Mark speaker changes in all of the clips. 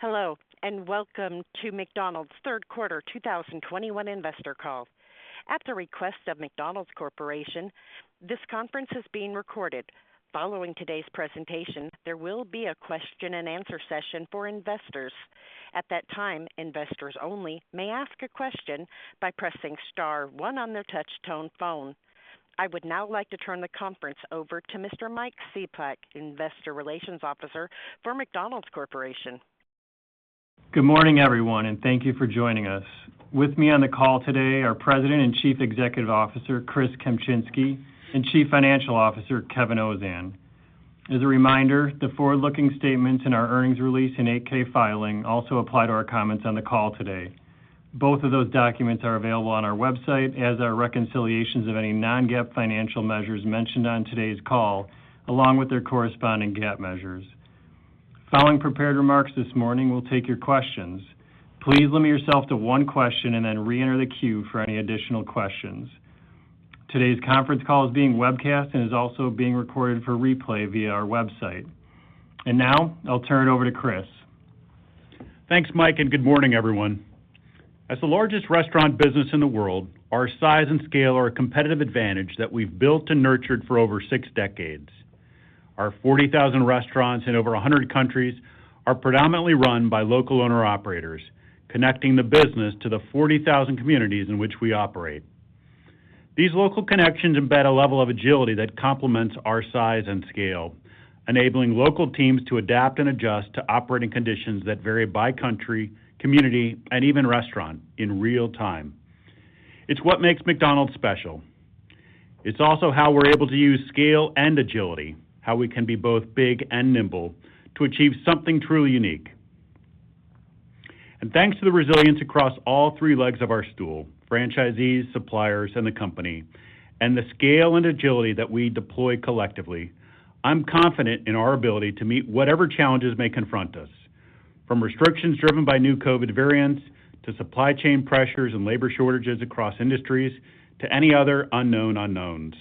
Speaker 1: Hello, and welcome to McDonald's third quarter 2021 investor call. At the request of McDonald's Corporation, this conference is being recorded. Following today's presentation, there will be a question and answer session for investors. At that time, investors only may ask a question by pressing Star one on their touchtone phone. I would now like to turn the conference over to Mr. Mike Cieplak, Investor Relations Officer for McDonald's Corporation.
Speaker 2: Good morning, everyone, and thank you for joining us. With me on the call today are President and Chief Executive Officer, Chris Kempczinski, and Chief Financial Officer, Kevin Ozan. As a reminder, the forward-looking statements in our earnings release and 8-K filing also apply to our comments on the call today. Both of those documents are available on our website as are reconciliations of any non-GAAP financial measures mentioned on today's call, along with their corresponding GAAP measures. Following prepared remarks this morning, we'll take your questions. Please limit yourself to one question and then reenter the queue for any additional questions. Today's conference call is being webcast and is also being recorded for replay via our website. Now I'll turn it over to Chris.
Speaker 3: Thanks, Mike, and good morning, everyone. As the largest restaurant business in the world, our size and scale are a competitive advantage that we've built and nurtured for over six decades. Our 40,000 restaurants in over 100 countries are predominantly run by local owner-operators, connecting the business to the 40,000 communities in which we operate. These local connections embed a level of agility that complements our size and scale, enabling local teams to adapt and adjust to operating conditions that vary by country, community, and even restaurant in real time. It's what makes McDonald's special. It's also how we're able to use scale and agility, how we can be both big and nimble to achieve something truly unique. Thanks to the resilience across all three legs of our stool, franchisees, suppliers, and the company, and the scale and agility that we deploy collectively, I'm confident in our ability to meet whatever challenges may confront us, from restrictions driven by new COVID variants to supply chain pressures and labor shortages across industries to any other unknown unknowns.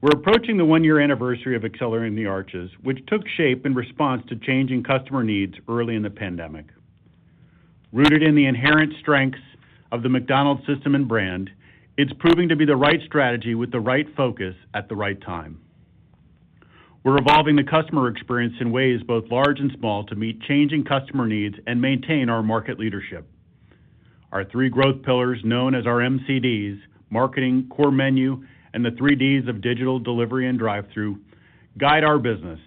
Speaker 3: We're approaching the one-year anniversary of Accelerating the Arches, which took shape in response to changing customer needs early in the pandemic. Rooted in the inherent strengths of the McDonald's system and brand, it's proving to be the right strategy with the right focus at the right time. We're evolving the customer experience in ways both large and small to meet changing customer needs and maintain our market leadership. Our three growth pillars, known as our MCD, marketing, core menu, and the three Ds of digital, delivery, and drive-through, guide our business.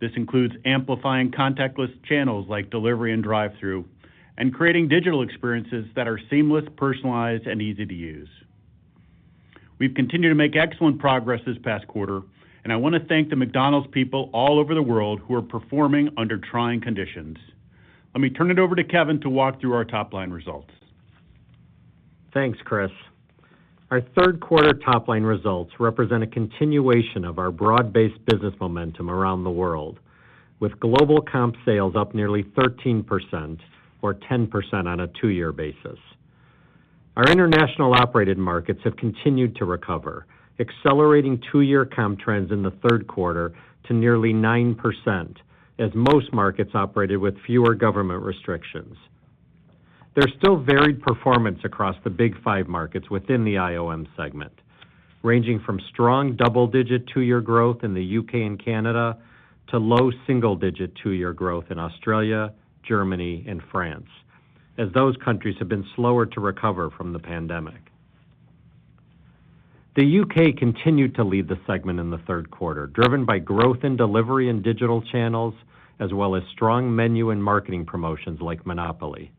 Speaker 3: This includes amplifying contactless channels like delivery and drive-through and creating digital experiences that are seamless, personalized, and easy to use. We've continued to make excellent progress this past quarter, and I want to thank the McDonald's people all over the world who are performing under trying conditions. Let me turn it over to Kevin to walk through our top line results.
Speaker 4: Thanks, Chris. Our third quarter top line results represent a continuation of our broad-based business momentum around the world, with global comp sales up nearly 13% or 10% on a two-year basis. Our International Operated Markets have continued to recover, accelerating two-year comp trends in the third quarter to nearly 9% as most markets operated with fewer government restrictions. There's still varied performance across the big five markets within the IOM segment, ranging from strong double-digit two-year growth in the U.K. and Canada to low single-digit two-year growth in Australia, Germany, and France, as those countries have been slower to recover from the pandemic. The U.K. continued to lead the segment in the third quarter, driven by growth in delivery and digital channels, as well as strong menu and marketing promotions like Monopoly.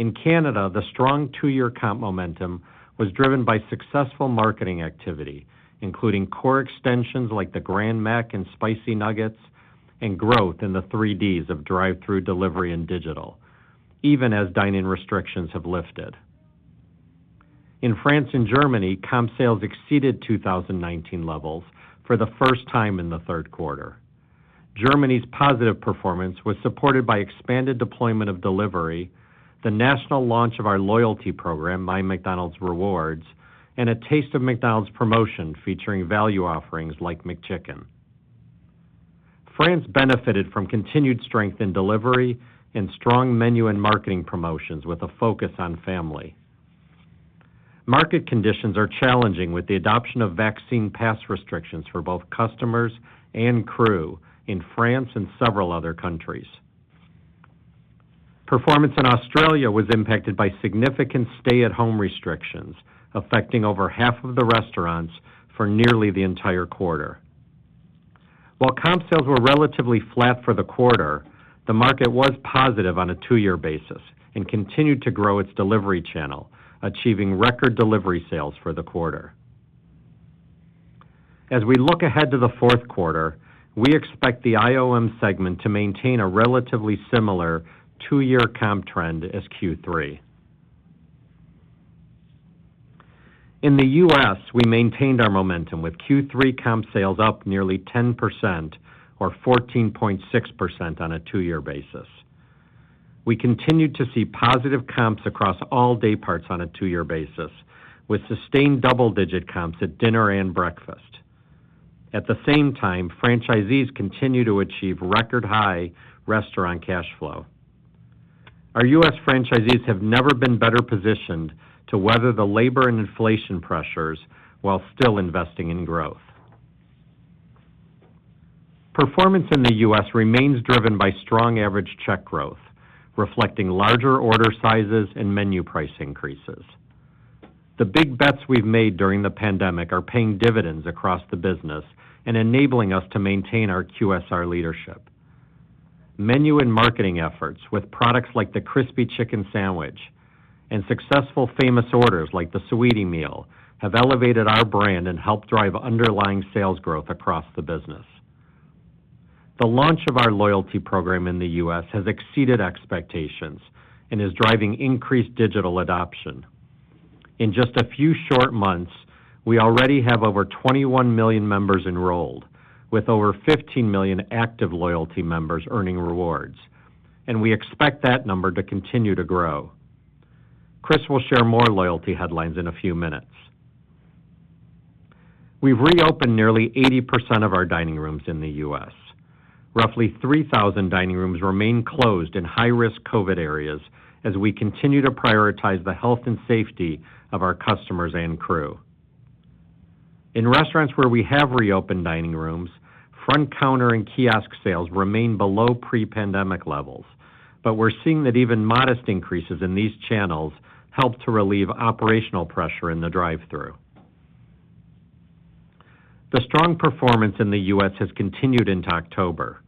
Speaker 4: In Canada, the strong two-year comp momentum was driven by successful marketing activity, including core extensions like the Grand Mac and Spicy Nuggets and growth in the three Ds of drive-through, delivery, and digital, even as dine-in restrictions have lifted. In France and Germany, comp sales exceeded 2019 levels for the first time in the third quarter. Germany's positive performance was supported by expanded deployment of delivery, the national launch of our loyalty program, MyMcDonald's Rewards, and a Taste of McDonald's promotion featuring value offerings like McChicken. France benefited from continued strength in delivery and strong menu and marketing promotions with a focus on family. Market conditions are challenging with the adoption of vaccine pass restrictions for both customers and crew in France and several other countries. Performance in Australia was impacted by significant stay-at-home restrictions, affecting over half of the restaurants for nearly the entire quarter. While comp sales were relatively flat for the quarter, the market was positive on a two-year basis and continued to grow its delivery channel, achieving record delivery sales for the quarter. As we look ahead to the fourth quarter, we expect the IOM segment to maintain a relatively similar two-year comp trend as Q3. In the U.S., we maintained our momentum with Q3 comp sales up nearly 10% or 14.6% on a two-year basis. We continued to see positive comps across all day parts on a two-year basis, with sustained double-digit comps at dinner and breakfast. At the same time, franchisees continue to achieve record high restaurant cash flow. Our U.S. franchisees have never been better positioned to weather the labor and inflation pressures while still investing in growth. Performance in the U.S. remains driven by strong average check growth, reflecting larger order sizes and menu price increases. The big bets we've made during the pandemic are paying dividends across the business and enabling us to maintain our QSR leadership. Menu and marketing efforts with products like the Crispy Chicken Sandwich and successful Famous Orders like the Saweetie Meal have elevated our brand and helped drive underlying sales growth across the business. The launch of our loyalty program in the U.S. has exceeded expectations and is driving increased digital adoption. In just a few short months, we already have over 21 million members enrolled with over 15 million active loyalty members earning rewards, and we expect that number to continue to grow. Chris will share more loyalty headlines in a few minutes. We've reopened nearly 80% of our dining rooms in the U.S. Roughly 3,000 dining rooms remain closed in high-risk COVID areas as we continue to prioritize the health and safety of our customers and crew. In restaurants where we have reopened dining rooms, front counter and kiosk sales remain below pre-pandemic levels. We're seeing that even modest increases in these channels help to relieve operational pressure in the drive-thru. The strong performance in the U.S. has continued into October.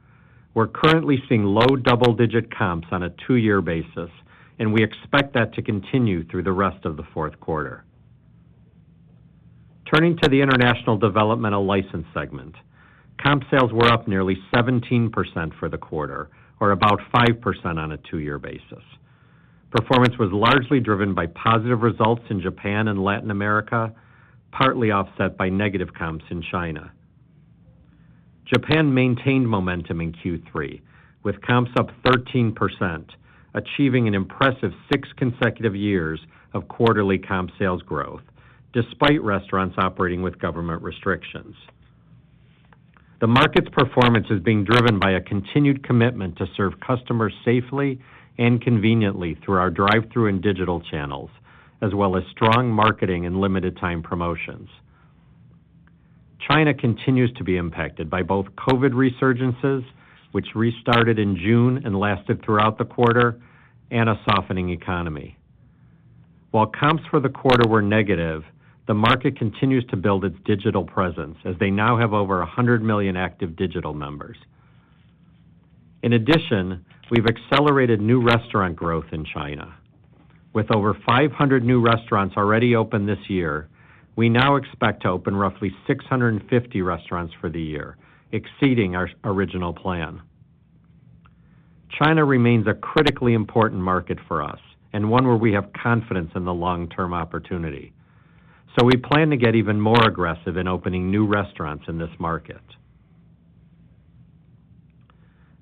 Speaker 4: We're currently seeing low double-digit comps on a two-year basis, and we expect that to continue through the rest of the fourth quarter. Turning to the International Developmental Licensee segment, comp sales were up nearly 17% for the quarter, or about 5% on a two-year basis. Performance was largely driven by positive results in Japan and Latin America, partly offset by negative comps in China. Japan maintained momentum in Q3 with comps up 13%, achieving an impressive 6 consecutive years of quarterly comp sales growth despite restaurants operating with government restrictions. The market's performance is being driven by a continued commitment to serve customers safely and conveniently through our drive-thru and digital channels, as well as strong marketing and limited time promotions. China continues to be impacted by both COVID resurgences, which restarted in June and lasted throughout the quarter, and a softening economy. While comps for the quarter were negative, the market continues to build its digital presence as they now have over 100 million active digital members. In addition, we've accelerated new restaurant growth in China. With over 500 new restaurants already open this year, we now expect to open roughly 650 restaurants for the year, exceeding our original plan. China remains a critically important market for us and one where we have confidence in the long-term opportunity. We plan to get even more aggressive in opening new restaurants in this market.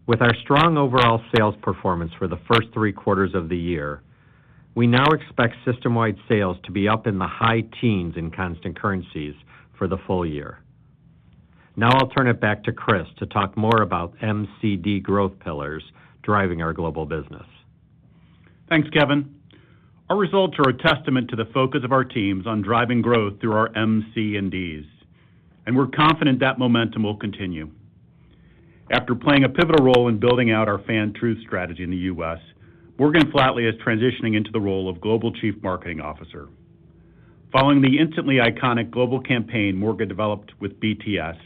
Speaker 4: With our strong overall sales performance for the first three quarters of the year, we now expect system-wide sales to be up in the high teens in constant currencies for the full year. Now I'll turn it back to Chris to talk more about MCD growth pillars driving our global business.
Speaker 3: Thanks, Kevin. Our results are a testament to the focus of our teams on driving growth through our M, C, and Ds, and we're confident that momentum will continue. After playing a pivotal role in building out our Fan Truths strategy in the U.S., Morgan Flatley is transitioning into the role of Global Chief Marketing Officer. Following the instantly iconic global campaign Morgan developed with BTS,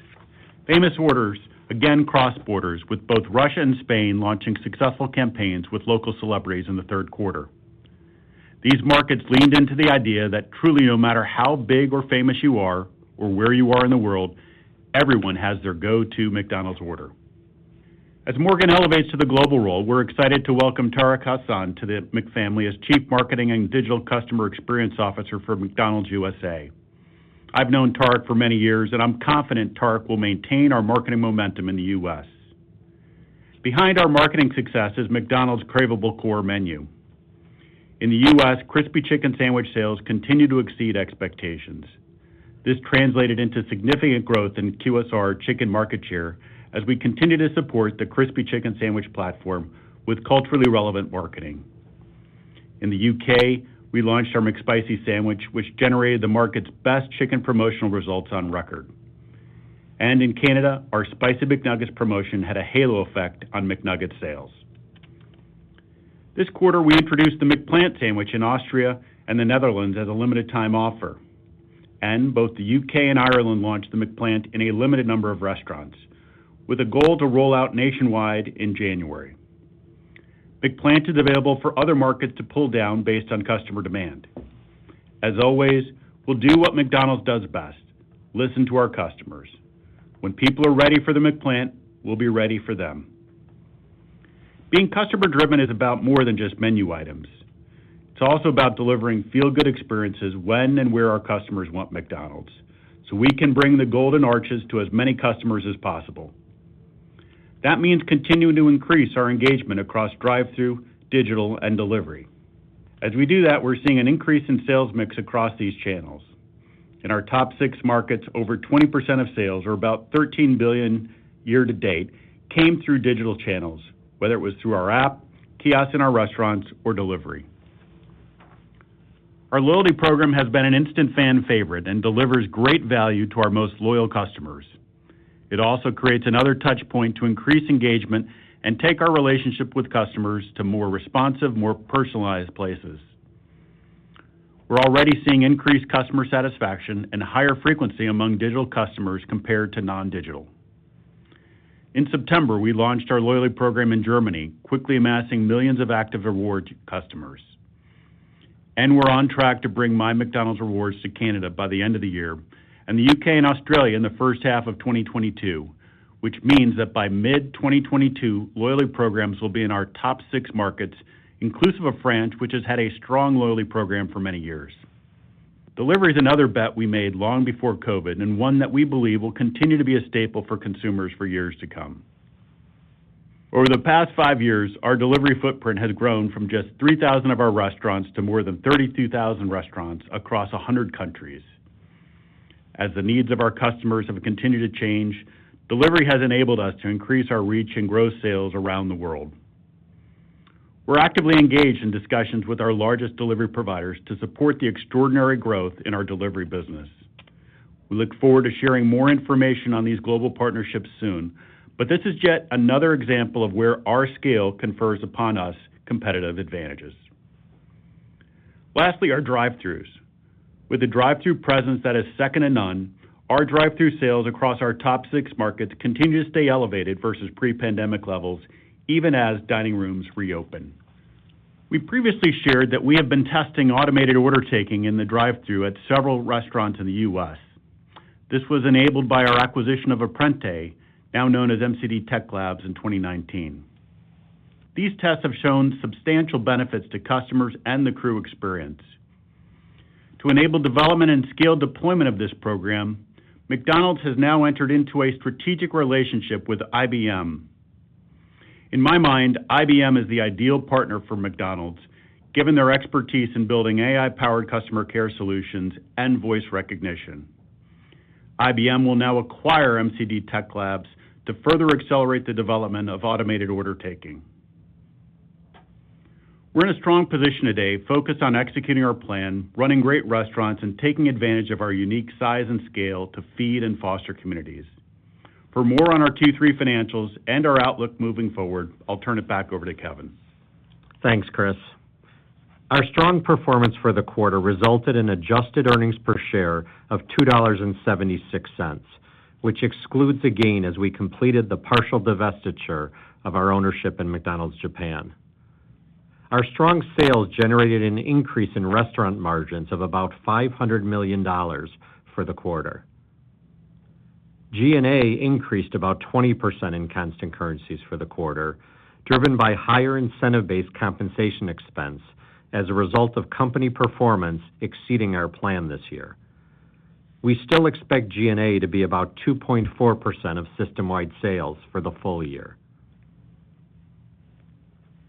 Speaker 3: Famous Orders again crossed borders with both Russia and Spain launching successful campaigns with local celebrities in the third quarter. These markets leaned into the idea that truly, no matter how big or famous you are or where you are in the world, everyone has their go-to McDonald's order. As Morgan elevates to the global role, we're excited to welcome Tariq Hassan to the McFamily as Chief Marketing and Digital Customer Experience Officer for McDonald's USA. I've known Tariq for many years, and I'm confident Tariq will maintain our marketing momentum in the U.S. Behind our marketing success is McDonald's Craveable Core Menu. In the U.S., Crispy Chicken Sandwich sales continue to exceed expectations. This translated into significant growth in QSR chicken market share as we continue to support the Crispy Chicken Sandwich platform with culturally relevant marketing. In the U.K., we launched our McSpicy Sandwich, which generated the market's best chicken promotional results on record. In Canada, our Spicy McNuggets promotion had a halo effect on McNuggets sales. This quarter, we introduced the McPlant sandwich in Austria and the Netherlands as a limited time offer. Both the U.K. and Ireland launched the McPlant in a limited number of restaurants with a goal to roll out nationwide in January. McPlant is available for other markets to pull down based on customer demand. As always, we'll do what McDonald's does best, listen to our customers. When people are ready for the McPlant, we'll be ready for them. Being customer driven is about more than just menu items. It's also about delivering feel-good experiences when and where our customers want McDonald's, so we can bring the Golden Arches to as many customers as possible. That means continuing to increase our engagement across drive-thru, digital, and delivery. As we do that, we're seeing an increase in sales mix across these channels. In our top six markets, over 20% of sales, or about $13 billion year to date, came through digital channels, whether it was through our app, kiosks in our restaurants or delivery. Our loyalty program has been an instant fan favorite and delivers great value to our most loyal customers. It also creates another touch point to increase engagement and take our relationship with customers to more responsive, more personalized places. We're already seeing increased customer satisfaction and higher frequency among digital customers compared to non-digital. In September, we launched our loyalty program in Germany, quickly amassing millions of active reward customers. We're on track to bring MyMcDonald's Rewards to Canada by the end of the year, and the U.K. and Australia in the first half of 2022, which means that by mid-2022 loyalty programs will be in our top six markets, inclusive of France, which has had a strong loyalty program for many years. Delivery is another bet we made long before COVID, and one that we believe will continue to be a staple for consumers for years to come. Over the past five years, our delivery footprint has grown from just 3,000 of our restaurants to more than 32,000 restaurants across 100 countries. As the needs of our customers have continued to change, delivery has enabled us to increase our reach and grow sales around the world. We're actively engaged in discussions with our largest delivery providers to support the extraordinary growth in our delivery business. We look forward to sharing more information on these global partnerships soon, but this is yet another example of where our scale confers upon us competitive advantages. Lastly, our drive-thrus. With a drive-thru presence that is second to none, our drive-thru sales across our top six markets continue to stay elevated versus pre-pandemic levels even as dining rooms reopen. We previously shared that we have been testing automated order taking in the drive-thru at several restaurants in the U.S. This was enabled by our acquisition of Apprente, now known as McD Tech Labs in 2019. These tests have shown substantial benefits to customers and the crew experience. To enable development and scale deployment of this program, McDonald's has now entered into a strategic relationship with IBM. In my mind, IBM is the ideal partner for McDonald's, given their expertise in building AI-powered customer care solutions and voice recognition. IBM will now acquire McD Tech Labs to further accelerate the development of automated order taking. We're in a strong position today, focused on executing our plan, running great restaurants, and taking advantage of our unique size and scale to feed and foster communities. For more on our Q3 financials and our outlook moving forward, I'll turn it back over to Kevin.
Speaker 4: Thanks, Chris. Our strong performance for the quarter resulted in adjusted earnings per share of $2.76, which excludes a gain as we completed the partial divestiture of our ownership in McDonald's Japan. Our strong sales generated an increase in restaurant margins of about $500 million for the quarter. G&A increased about 20% in constant currencies for the quarter, driven by higher incentive-based compensation expense as a result of company performance exceeding our plan this year. We still expect G&A to be about 2.4% of system-wide sales for the full year.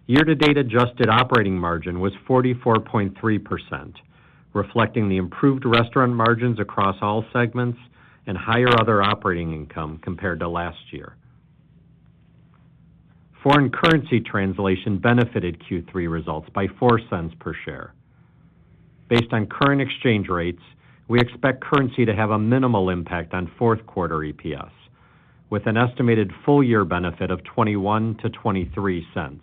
Speaker 4: Year to date adjusted operating margin was 44.3%, reflecting the improved restaurant margins across all segments and higher other operating income compared to last year. Foreign currency translation benefited Q3 results by $0.04 per share. Based on current exchange rates, we expect currency to have a minimal impact on fourth quarter EPS with an estimated full year benefit of $0.21-$0.23.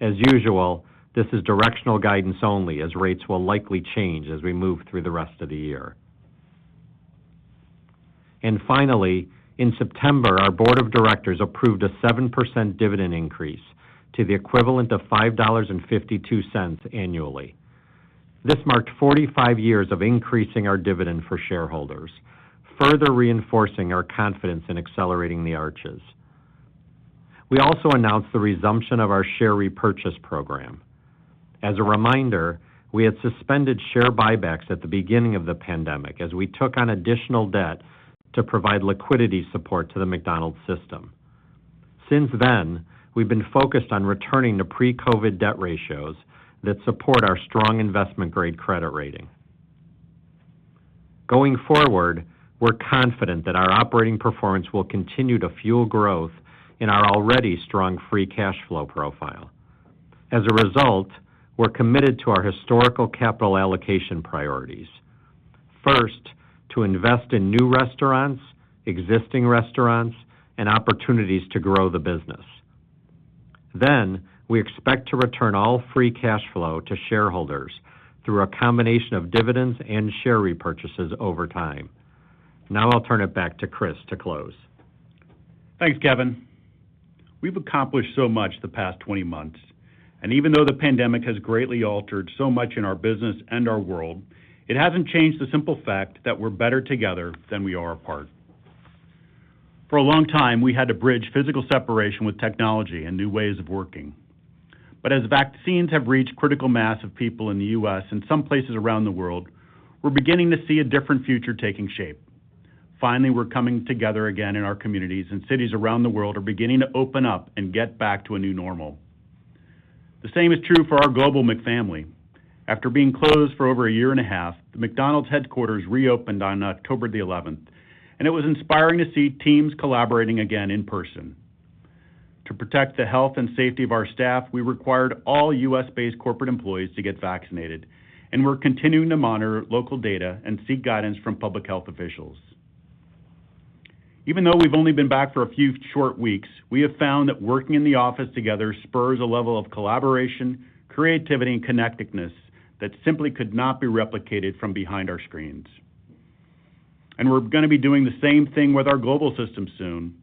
Speaker 4: As usual, this is directional guidance only as rates will likely change as we move through the rest of the year. Finally, in September, our board of directors approved a 7% dividend increase to the equivalent of $5.52 annually. This marked 45 years of increasing our dividend for shareholders, further reinforcing our confidence in Accelerating the Arches. We also announced the resumption of our share repurchase program. As a reminder, we had suspended share buybacks at the beginning of the pandemic as we took on additional debt to provide liquidity support to the McDonald's system. Since then, we've been focused on returning to pre-COVID debt ratios that support our strong investment grade credit rating. Going forward, we're confident that our operating performance will continue to fuel growth in our already strong free cash flow profile. As a result, we're committed to our historical capital allocation priorities. First, to invest in new restaurants, existing restaurants, and opportunities to grow the business. Then, we expect to return all free cash flow to shareholders through a combination of dividends and share repurchases over time. Now I'll turn it back to Chris to close.
Speaker 3: Thanks, Kevin. We've accomplished so much the past 20 months, and even though the pandemic has greatly altered so much in our business and our world, it hasn't changed the simple fact that we're better together than we are apart. For a long time, we had to bridge physical separation with technology and new ways of working. As vaccines have reached critical mass of people in the U.S. and some places around the world, we're beginning to see a different future taking shape. Finally, we're coming together again in our communities, and cities around the world are beginning to open up and get back to a new normal. The same is true for our global McFamily. After being closed for over a year and a half, the McDonald's headquarters reopened on October the eleventh, and it was inspiring to see teams collaborating again in person. To protect the health and safety of our staff, we required all U.S.-based corporate employees to get vaccinated, and we're continuing to monitor local data and seek guidance from public health officials. Even though we've only been back for a few short weeks, we have found that working in the office together spurs a level of collaboration, creativity, and connectedness that simply could not be replicated from behind our screens. We're gonna be doing the same thing with our global system soon.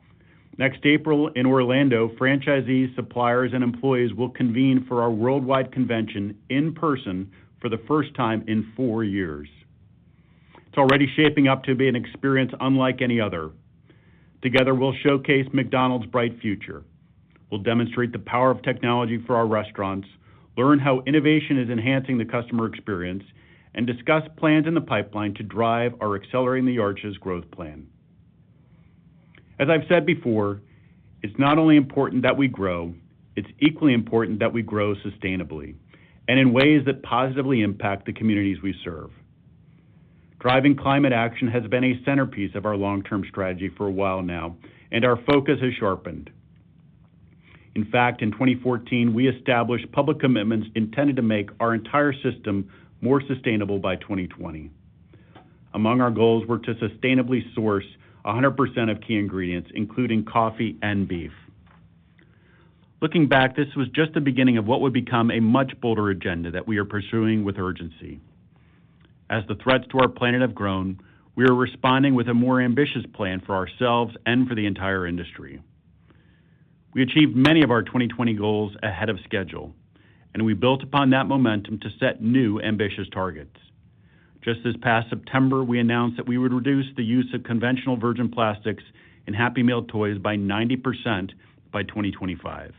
Speaker 3: Next April in Orlando, franchisees, suppliers, and employees will convene for our worldwide convention in person for the first time in four years. It's already shaping up to be an experience unlike any other. Together, we'll showcase McDonald's bright future. We'll demonstrate the power of technology for our restaurants, learn how innovation is enhancing the customer experience, and discuss plans in the pipeline to drive our Accelerating the Arches growth plan. As I've said before, it's not only important that we grow, it's equally important that we grow sustainably and in ways that positively impact the communities we serve. Driving climate action has been a centerpiece of our long-term strategy for a while now, and our focus has sharpened. In fact, in 2014, we established public commitments intended to make our entire system more sustainable by 2020. Among our goals were to sustainably source 100% of key ingredients, including coffee and beef. Looking back, this was just the beginning of what would become a much bolder agenda that we are pursuing with urgency. As the threats to our planet have grown, we are responding with a more ambitious plan for ourselves and for the entire industry. We achieved many of our 2020 goals ahead of schedule, and we built upon that momentum to set new ambitious targets. Just this past September, we announced that we would reduce the use of conventional virgin plastics in Happy Meal toys by 90% by 2025.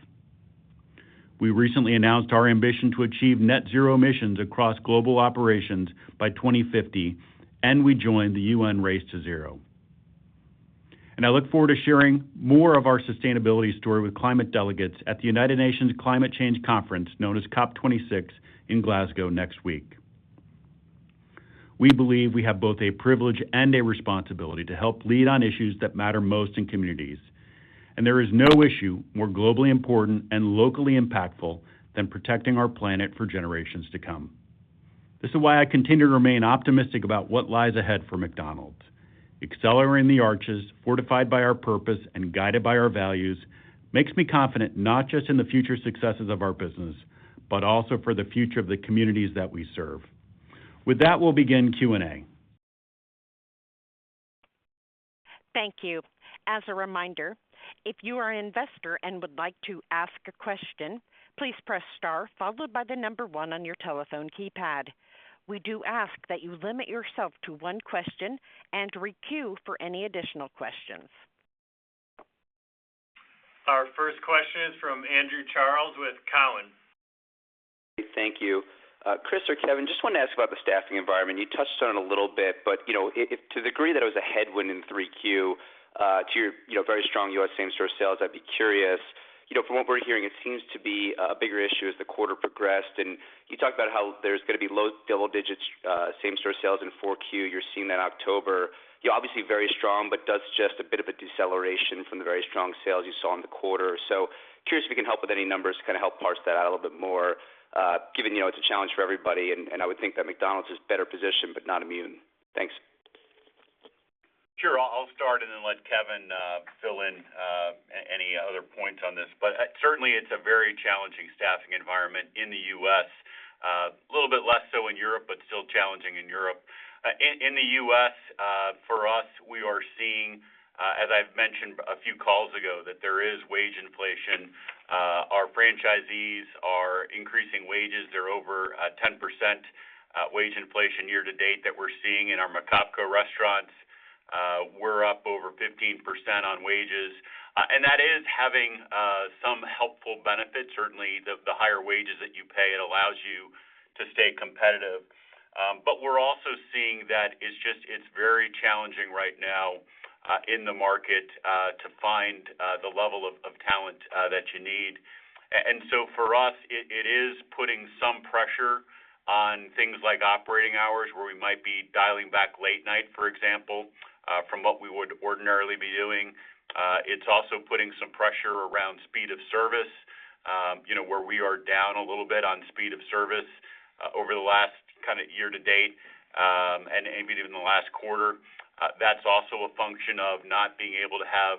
Speaker 3: We recently announced our ambition to achieve net zero emissions across global operations by 2050, and we joined the UN Race to Zero. I look forward to sharing more of our sustainability story with climate delegates at the United Nations Climate Change Conference, known as COP26, in Glasgow next week. We believe we have both a privilege and a responsibility to help lead on issues that matter most in communities, and there is no issue more globally important and locally impactful than protecting our planet for generations to come. This is why I continue to remain optimistic about what lies ahead for McDonald's. Accelerating the Arches, fortified by our purpose and guided by our values, makes me confident not just in the future successes of our business, but also for the future of the communities that we serve. With that, we'll begin Q&A.
Speaker 1: Thank you. As a reminder, if you are an investor and would like to ask a question, please press star followed by the number one on your telephone keypad. We do ask that you limit yourself to one question and re-queue for any additional questions.
Speaker 2: Our first question is from Andrew Charles with Cowen.
Speaker 5: Thank you. Chris or Kevin, just wanted to ask about the staffing environment. You touched on it a little bit, but, you know, to the degree that it was a headwind in 3Q, to your, you know, very strong U.S. same-store sales, I'd be curious. You know, from what we're hearing, it seems to be a bigger issue as the quarter progressed. You talked about how there's going to be low double digits same-store sales in 4Q. You're seeing that in October. You're obviously very strong, but does suggest a bit of a deceleration from the very strong sales you saw in the quarter. Curious if you can help with any numbers to help parse that out a little bit more, given, you know, it's a challenge for everybody, and I would think that McDonald's is better positioned but not immune. Thanks.
Speaker 3: Sure. I'll start and then let Kevin fill in any other points on this. Certainly it's a very challenging staffing environment in the U.S. A little bit less so in Europe, but still challenging in Europe. In the U.S., for us, we are seeing, as I've mentioned a few calls ago, that there is wage inflation. Our franchisees are increasing wages. They're over 10% wage inflation year to date that we're seeing in our McOpCo restaurants. We're up over 15% on wages. That is having some helpful benefits. Certainly, the higher wages that you pay, it allows you to stay competitive. We're also seeing that it's very challenging right now in the market to find the level of talent that you need. For us, it is putting some pressure on things like operating hours where we might be dialing back late night, for example, from what we would ordinarily be doing. It's also putting some pressure around speed of service, you know, where we are down a little bit on speed of service over the last kind of year to date, and maybe even the last quarter. That's also a function of not being able to have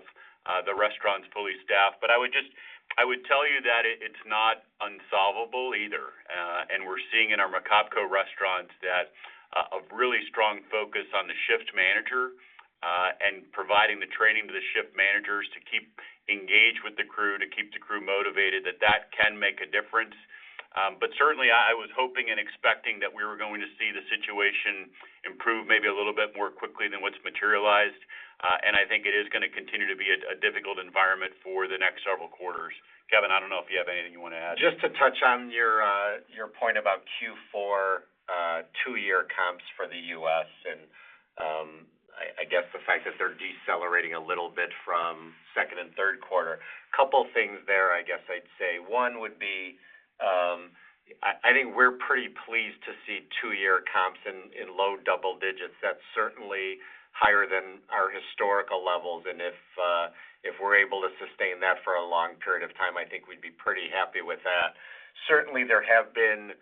Speaker 3: the restaurants fully staffed. I would tell you that it's not unsolvable either. We're seeing in our McOpCo restaurants that really strong focus on the shift manager, and providing the training to the shift manager, engage with the crew to keep the crew motivated, that can make a difference. But certainly I was hoping and expecting that we were going to see the situation improve maybe a little bit more quickly than what's materialized. I think it is gonna continue to be a difficult environment for the next several quarters. Kevin, I don't know if you have anything you wanna add.
Speaker 4: Just to touch on your point about Q4 two-year comps for the U.S., and I guess the fact that they're decelerating a little bit from second and third quarter. Couple things there I guess I'd say. One would be, I think we're pretty pleased to see two-year comps in low double digits. That's certainly higher than our historical levels, and if we're able to sustain that for a long period of time, I think we'd be pretty happy with that. Certainly, there have been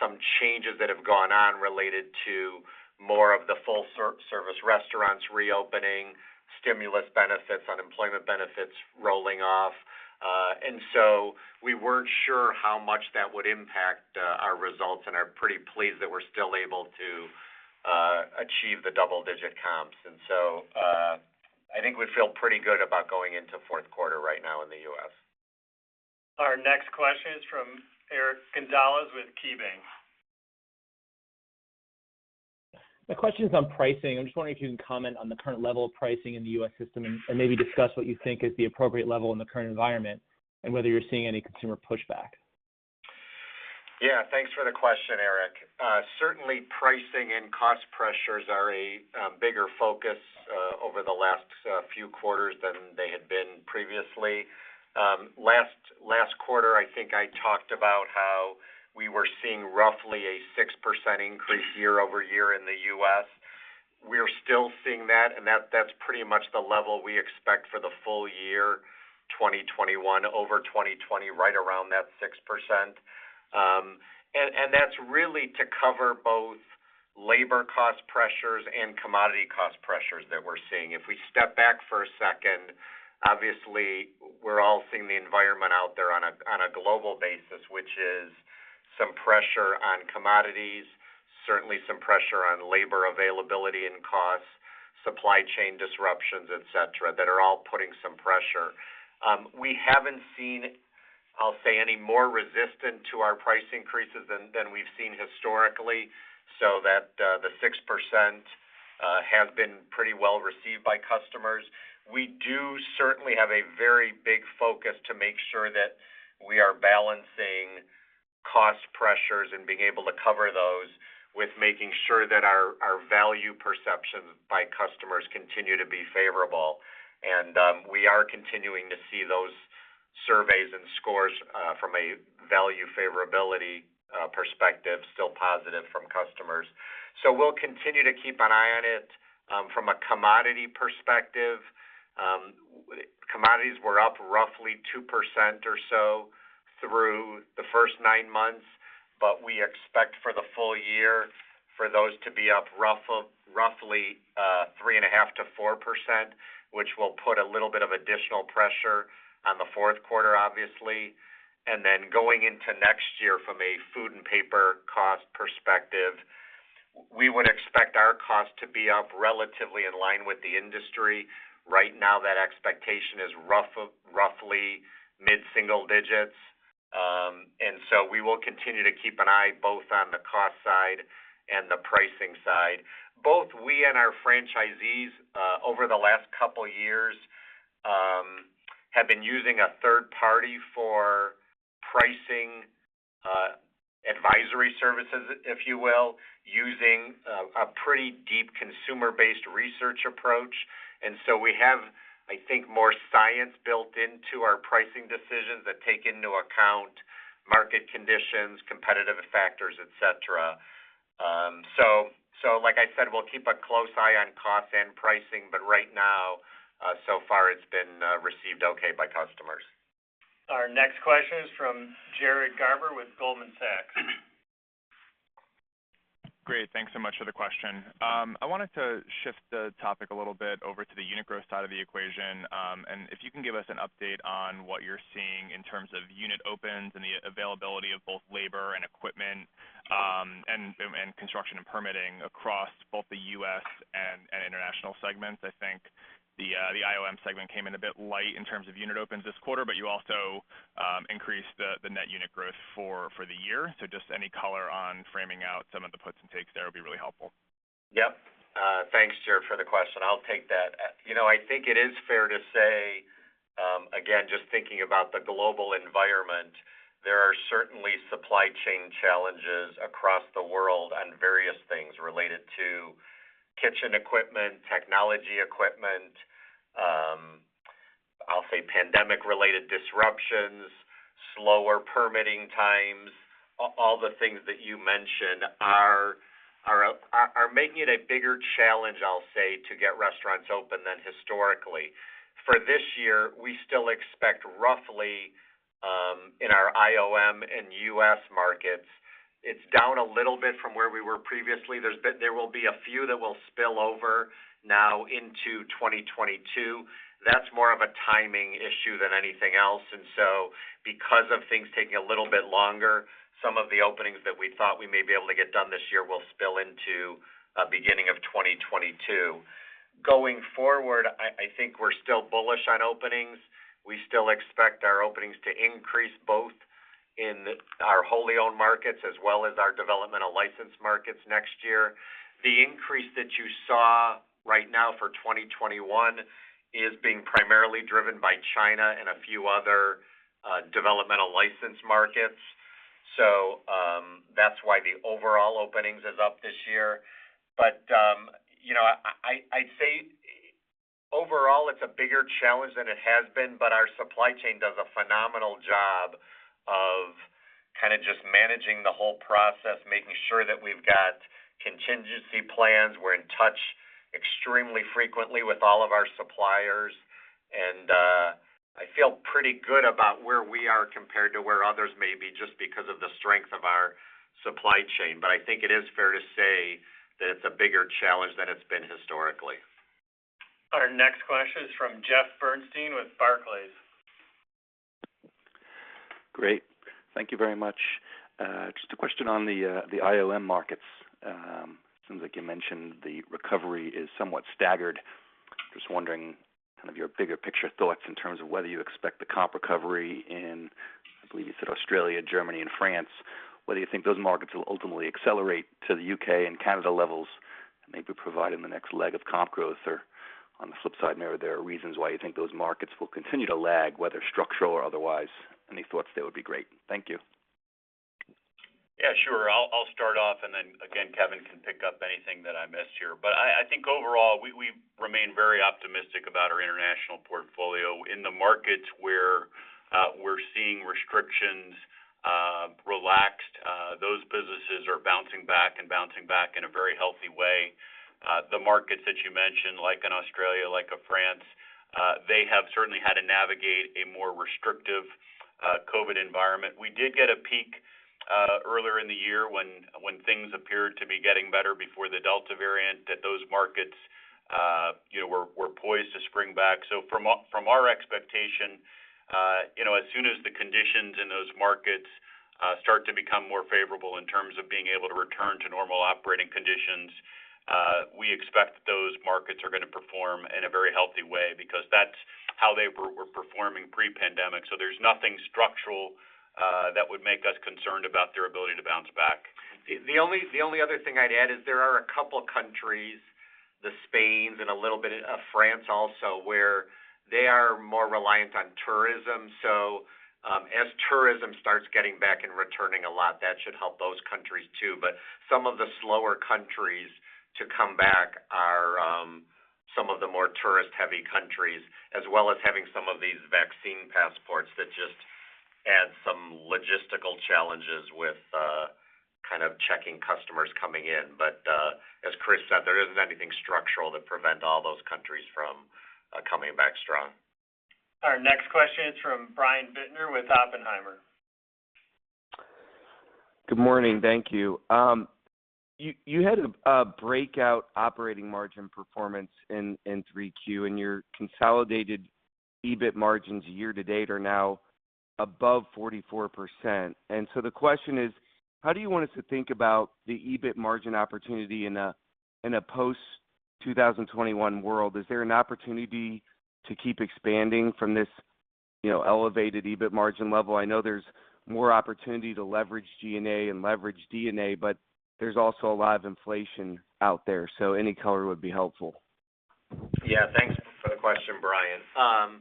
Speaker 4: some changes that have gone on related to more of the full service restaurants reopening, stimulus benefits, unemployment benefits rolling off. We weren't sure how much that would impact our results, and are pretty pleased that we're still able to achieve the double-digit comps. I think we feel pretty good about going into fourth quarter right now in the U.S.
Speaker 2: Our next question is from Eric Gonzalez with KeyBanc.
Speaker 6: My question is on pricing. I'm just wondering if you can comment on the current level of pricing in the U.S. system and maybe discuss what you think is the appropriate level in the current environment and whether you're seeing any consumer pushback.
Speaker 4: Yeah. Thanks for the question, Eric. Certainly pricing and cost pressures are a bigger focus over the last few quarters than they had been previously. Last quarter, I think I talked about how we were seeing roughly a 6% increase year-over-year in the U.S. We are still seeing that, and that's pretty much the level we expect for the full year 2021 over 2020, right around that 6%. And that's really to cover both labor cost pressures and commodity cost pressures that we're seeing. If we step back for a second, obviously we're all seeing the environment out there on a global basis, which is some pressure on commodities, certainly some pressure on labor availability and costs, supply chain disruptions, et cetera, that are all putting some pressure. We haven't seen, I'll say, any more resistant to our price increases than we've seen historically, so that the 6% has been pretty well received by customers. We do certainly have a very big focus to make sure that we are balancing cost pressures and being able to cover those with making sure that our value perception by customers continue to be favorable. We are continuing to see those surveys and scores from a value favorability perspective, still positive from customers. We'll continue to keep an eye on it. From a commodity perspective, commodities were up roughly 2% or so through the first nine months, but we expect for the full year for those to be up roughly 3.5%-4%, which will put a little bit of additional pressure on the fourth quarter, obviously. Going into next year from a food and paper cost perspective, we would expect our costs to be up relatively in line with the industry. Right now, that expectation is roughly mid-single digits. We will continue to keep an eye both on the cost side and the pricing side. Both we and our franchisees over the last couple years have been using a third party for pricing advisory services, if you will, using a pretty deep consumer-based research approach. We have, I think, more science built into our pricing decisions that take into account market conditions, competitive factors, et cetera. Like I said, we'll keep a close eye on cost and pricing, but right now, so far it's been received okay by customers.
Speaker 2: Our next question is from Jared Garber with Goldman Sachs.
Speaker 7: Great. Thanks so much for the question. I wanted to shift the topic a little bit over to the unit growth side of the equation. If you can give us an update on what you're seeing in terms of unit opens and the availability of both labor and equipment, and construction and permitting across both the U.S. and international segments. I think the IOM segment came in a bit light in terms of unit opens this quarter, but you also increased the net unit growth for the year. Just any color on framing out some of the puts and takes there would be really helpful.
Speaker 4: Yep. Thanks, Jared, for the question. I'll take that. You know, I think it is fair to say, again, just thinking about the global environment, there are certainly supply chain challenges across the world on various things related to kitchen equipment, technology equipment, I'll say pandemic-related disruptions, slower permitting times. All the things that you mentioned are making it a bigger challenge, I'll say, to get restaurants open than historically. For this year, we still expect roughly, in our IOM and U.S. markets, it's down a little bit from where we were previously. There will be a few that will spill over now into 2022. That's more of a timing issue than anything else. Because of things taking a little bit longer, some of the openings that we thought we may be able to get done this year will spill into beginning of 2022. Going forward, I think we're still bullish on openings. We still expect our openings to increase both in our wholly owned markets as well as our developmental license markets next year. The increase that you saw right now for 2021 is being primarily driven by China and a few other developmental license markets. That's why the overall openings is up this year. You know, I say overall, it's a bigger challenge than it has been, but our supply chain does a phenomenal job of kinda just managing the whole process, making sure that we've got contingency plans. We're in touch extremely frequently with all of our suppliers, and I feel pretty good about where we are compared to where others may be just because of the strength of our supply chain. But I think it is fair to say that it's a bigger challenge than it's been historically.
Speaker 2: Our next question is from Jeffrey Bernstein with Barclays.
Speaker 8: Great. Thank you very much. Just a question on the IOM markets. It seems like you mentioned the recovery is somewhat staggered. Just wondering kind of your bigger picture thoughts in terms of whether you expect the comp recovery in, I believe you said Australia, Germany and France. Whether you think those markets will ultimately accelerate to the U.K. and Canada levels and maybe provide in the next leg of comp growth or on the flip side, are there reasons why you think those markets will continue to lag, whether structural or otherwise? Any thoughts there would be great. Thank you.
Speaker 4: Yeah, sure. I'll start off, and then again, Kevin can pick up anything that I missed here. I think overall, we remain very optimistic about our international portfolio. In the markets where we're seeing restrictions relaxed, those businesses are bouncing back in a very healthy way. The markets that you mentioned, like in Australia, like France, they have certainly had to navigate a more restrictive COVID environment. We did get a peak earlier in the year when things appeared to be getting better before the Delta variant. Those markets you know were poised to spring back. From our expectation, as soon as the conditions in those markets start to become more favorable in terms of being able to return to normal operating conditions, we expect those markets are gonna perform in a very healthy way because that's how they were performing pre-pandemic. There's nothing structural that would make us concerned about their ability to bounce back. The only other thing I'd add is there are a couple of countries, Spain and a little bit of France also, where they are more reliant on tourism. As tourism starts getting back and returning a lot, that should help those countries too. Some of the slower countries to come back are some of the more tourist heavy countries, as well as having some of these vaccine passports that just add some logistical challenges with kind of checking customers coming in. As Chris said, there isn't anything structural to prevent all those countries from coming back strong.
Speaker 2: Our next question is from Brian Bittner with Oppenheimer.
Speaker 9: Good morning. Thank you. You had a breakout operating margin performance in 3Q, and your consolidated EBIT margins year to date are now above 44%. The question is, how do you want us to think about the EBIT margin opportunity in a post-2021 world? Is there an opportunity to keep expanding from this, you know, elevated EBIT margin level? I know there's more opportunity to leverage G&A and leverage D&A, but there's also a lot of inflation out there. Any color would be helpful.
Speaker 4: Yeah. Thanks for the question, Brian.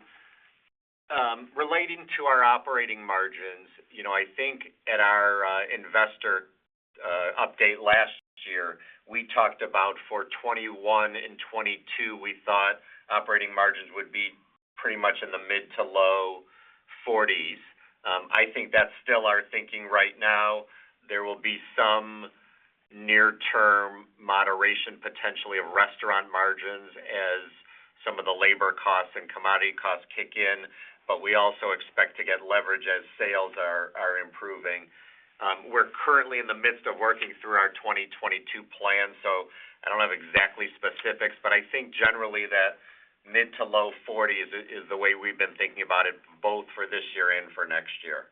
Speaker 4: Relating to our operating margins, you know, I think at our investor update last year, we talked about for 2021 and 2022, we thought operating margins would be pretty much in the mid- to low-40s%. I think that's still our thinking right now. There will be some near-term moderation, potentially of restaurant margins as some of the labor costs and commodity costs kick in. We also expect to get leverage as sales are improving. We're currently in the midst of working through our 2022 plan, so I don't have exact specifics, but I think generally that mid- to low-40s% is the way we've been thinking about it, both for this year and for next year.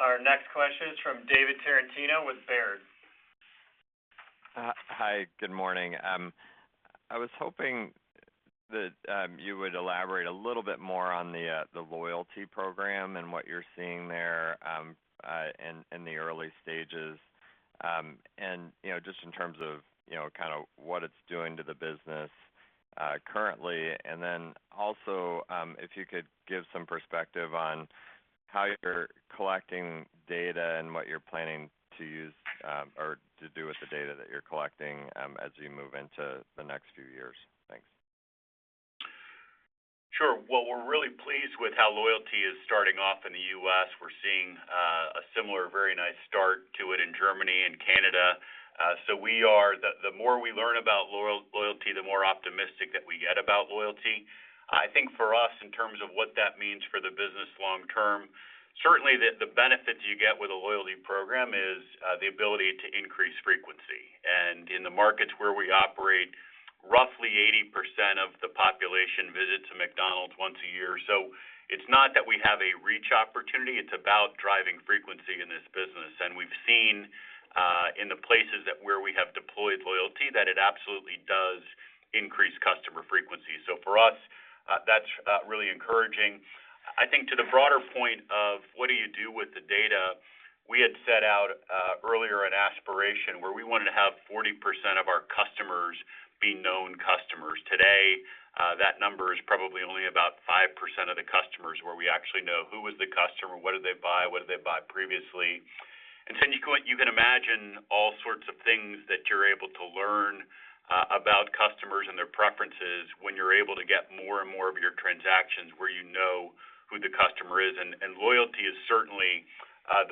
Speaker 2: Our next question is from David Tarantino with Baird.
Speaker 10: Hi, good morning. I was hoping that you would elaborate a little bit more on the loyalty program and what you're seeing there in the early stages. You know, just in terms of, you know, kinda what it's doing to the business currently. Then also, if you could give some perspective on how you're collecting data and what you're planning to use or to do with the data that you're collecting as you move into the next few years. Thanks.
Speaker 4: Sure. Well, we're really pleased with how loyalty is starting off in the U.S. We're seeing a similar very nice start to it in Germany and Canada. The more we learn about loyalty, the more optimistic that we get about loyalty. I think for us, in terms of what that means for the business long term, certainly the benefits you get with a loyalty program is the ability to increase frequency. In the markets where we operate, roughly 80% of the population visits a McDonald's once a year. It's not that we have a reach opportunity, it's about driving fre-
Speaker 3: We've seen in the places where we have deployed loyalty that it absolutely does increase customer frequency. So for us, that's really encouraging. I think to the broader point of what do you do with the data, we had set out earlier an aspiration where we wanted to have 40% of our customers be known customers. Today, that number is probably only about 5% of the customers where we actually know who is the customer, what did they buy, what did they buy previously. You can imagine all sorts of things that you're able to learn about customers and their preferences when you're able to get more and more of your transactions where you know who the customer is. Loyalty is certainly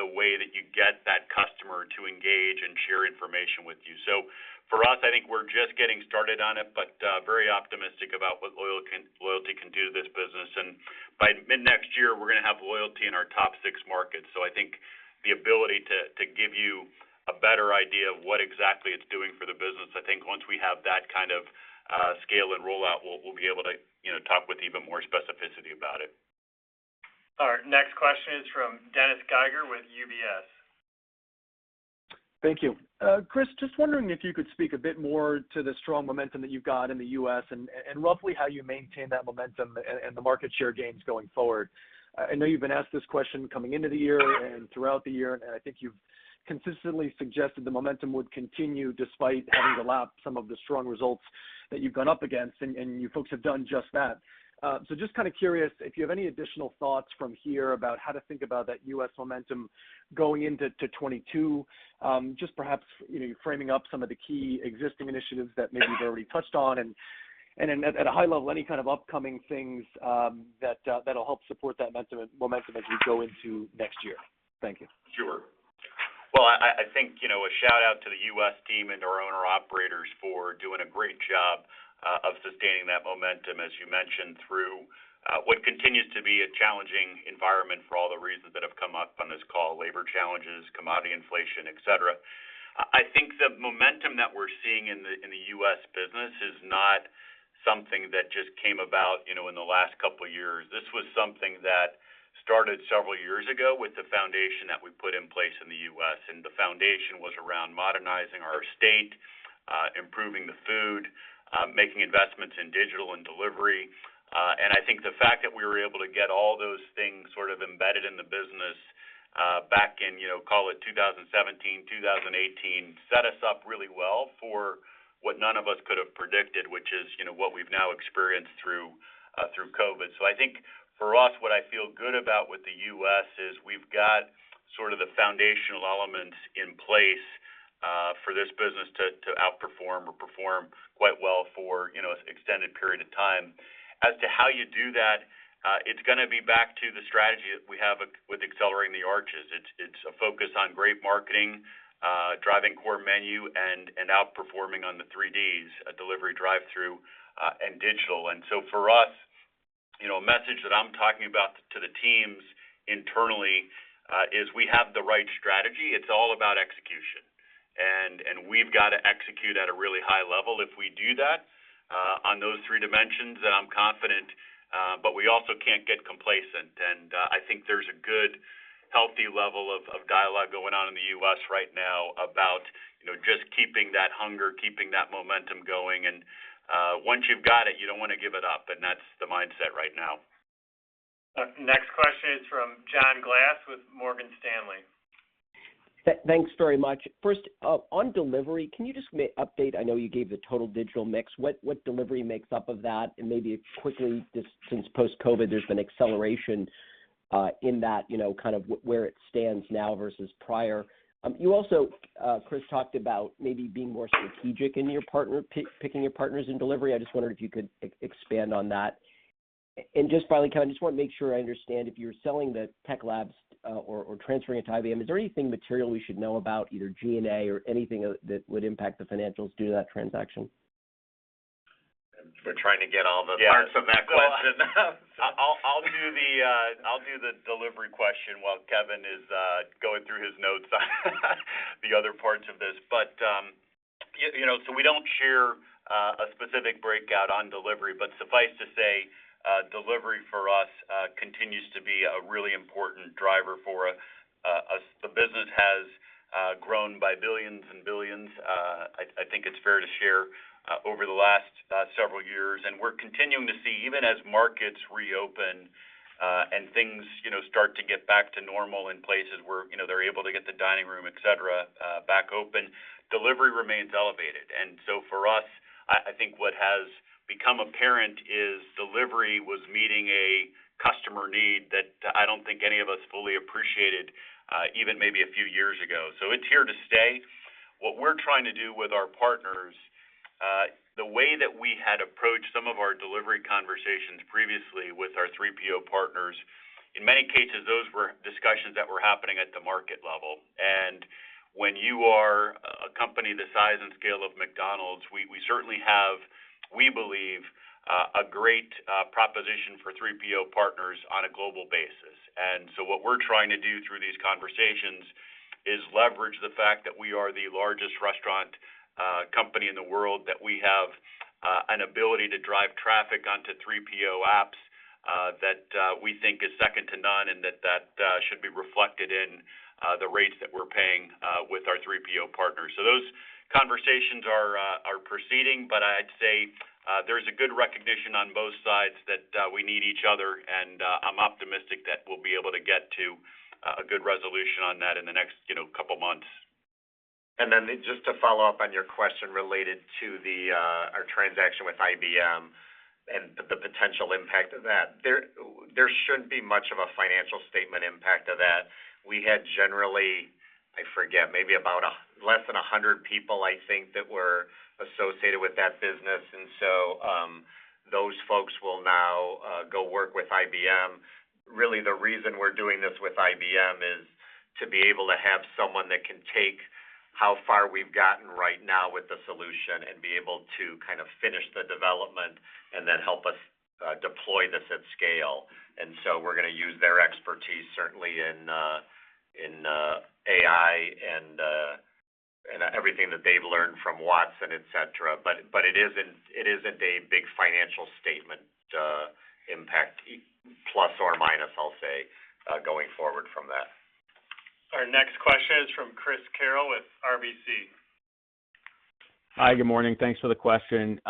Speaker 3: the way that you get that customer to engage and share information with you. For us, I think we're just getting started on it, but very optimistic about what loyalty can do to this business. By mid-next year, we're gonna have loyalty in our top six markets. I think the ability to give you a better idea of what exactly it's doing for the business. I think once we have that kind of scale and rollout, we'll be able to, you know, talk with even more specificity about it.
Speaker 2: Our next question is from Dennis Geiger with UBS.
Speaker 11: Thank you. Chris, just wondering if you could speak a bit more to the strong momentum that you've got in the U.S. and roughly how you maintain that momentum and the market share gains going forward. I know you've been asked this question coming into the year and throughout the year, and I think you've consistently suggested the momentum would continue despite having to lap some of the strong results that you've gone up against, and you folks have done just that. So just kinda curious if you have any additional thoughts from here about how to think about that U.S. momentum going into 2022. Just perhaps, you know, framing up some of the key existing initiatives that maybe you've already touched on. At a high level, any kind of upcoming things that'll help support that momentum as we go into next year. Thank you.
Speaker 3: Sure. Well, I think, you know, a shout-out to the U.S. team and to our owner-operators for doing a great job of sustaining that momentum, as you mentioned, through what continues to be a challenging environment for all the reasons that have come up on this call, labor challenges, commodity inflation, et cetera. I think the momentum that we're seeing in the U.S. business is not something that just came about, you know, in the last couple years. This was something that started several years ago with the foundation that we put in place in the U.S., and the foundation was around modernizing our estate, improving the food, making investments in digital and delivery. I think the fact that we were able to get all those things sort of embedded in the business, back in, you know, call it 2017, 2018, set us up really well for what none of us could have predicted, which is, you know, what we've now experienced through COVID. I think for us, what I feel good about with the U.S. is we've got sort of the foundational elements in place, for this business to outperform or perform quite well for, you know, an extended period of time. As to how you do that, it's gonna be back to the strategy we have with Accelerating the Arches. It's a focus on great marketing, driving core menu and outperforming on the three Ds, delivery, drive-through, and digital. For us, you know, a message that I'm talking about to the teams internally is we have the right strategy. It's all about execution, and we've gotta execute at a really high level. If we do that on those three dimensions, then I'm confident, but we also can't get complacent. I think there's a good healthy level of dialogue going on in the U.S. right now about, you know, just keeping that hunger, keeping that momentum going. Once you've got it, you don't wanna give it up, and that's the mindset right now.
Speaker 2: Next question is from John Glass with Morgan Stanley.
Speaker 12: Thanks very much. First, on delivery, can you just update, I know you gave the total digital mix, what delivery makes up of that? Maybe quickly, just since post-COVID, there's been acceleration, in that, you know, kind of where it stands now versus prior. You also, Chris, talked about maybe being more strategic in your picking your partners in delivery. I just wondered if you could expand on that. Just finally, Kevin, I just wanna make sure I understand if you're selling the McD Tech Labs, or transferring it to IBM, is there anything material we should know about, either G&A or anything that would impact the financials due to that transaction?
Speaker 2: We're trying to get all the parts of that question.
Speaker 3: I'll do the delivery question while Kevin is going through his notes on the other parts of this. You know, we don't share a specific breakout on delivery, but suffice to say, delivery for us continues to be a really important driver for us. The business has grown by billions and billions, I think it's fair to share, over the last several years. We're continuing to see even as markets reopen and things, you know, start to get back to normal in places where, you know, they're able to get the dining room, et cetera, back open, delivery remains elevated. For us, I think what has become apparent is delivery was meeting a customer need that I don't think any of us fully appreciated, even maybe a few years ago. It's here to stay. What we're trying to do with our partners, the way that we had approached some of our delivery conversations previously with our 3PO partners, in many cases, those were discussions that were happening at the market level. When you are a company the size and scale of McDonald's, we certainly have, we believe, a great proposition for 3PO partners on a global basis. What we're trying to do through these conversations is leverage the fact that we are the largest restaurant company in the world, that we have an ability to drive traffic onto 3PO apps.
Speaker 4: that we think is second to none, and that should be reflected in the rates that we're paying with our three PO partners. Those conversations are proceeding, but I'd say there's a good recognition on both sides that we need each other, and I'm optimistic that we'll be able to get to a good resolution on that in the next, you know, couple months. Then just to follow up on your question related to our transaction with IBM and the potential impact of that. There shouldn't be much of a financial statement impact of that. We had generally, I forget, maybe about less than 100 people, I think, that were associated with that business. Those folks will now go work with IBM. Really, the reason we're doing this with IBM is to be able to have someone that can take how far we've gotten right now with the solution and be able to kind of finish the development and then help us deploy this at scale. We're gonna use their expertise, certainly in AI and everything that they've learned from Watson, et cetera. But it isn't a big financial statement impact, plus or minus, I'll say, going forward from that.
Speaker 2: Our next question is from Christopher Carril with RBC.
Speaker 13: Hi, good morning. Thanks for the question.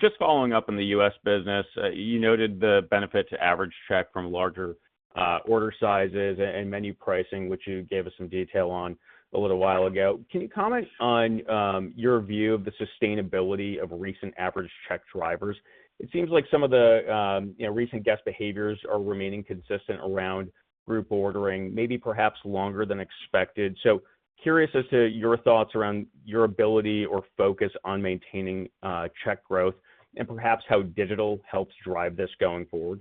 Speaker 13: Just following up in the U.S. business, you noted the benefit to average check from larger order sizes and menu pricing, which you gave us some detail on a little while ago. Can you comment on your view of the sustainability of recent average check drivers? It seems like some of the recent guest behaviors are remaining consistent around group ordering, maybe perhaps longer than expected. Curious as to your thoughts around your ability or focus on maintaining check growth and perhaps how digital helps drive this going forward.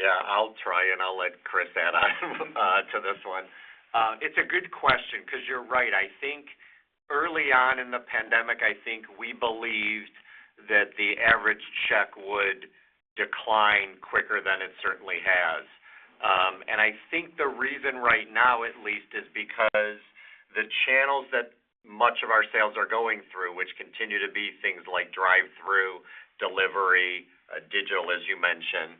Speaker 4: Yeah, I'll try, and I'll let Chris add on to this one. It's a good question 'cause you're right. I think early on in the pandemic, I think we believed that the average check would decline quicker than it certainly has. And I think the reason right now, at least, is because the channels that much of our sales are going through, which continue to be things like drive-through, delivery, digital, as you mentioned,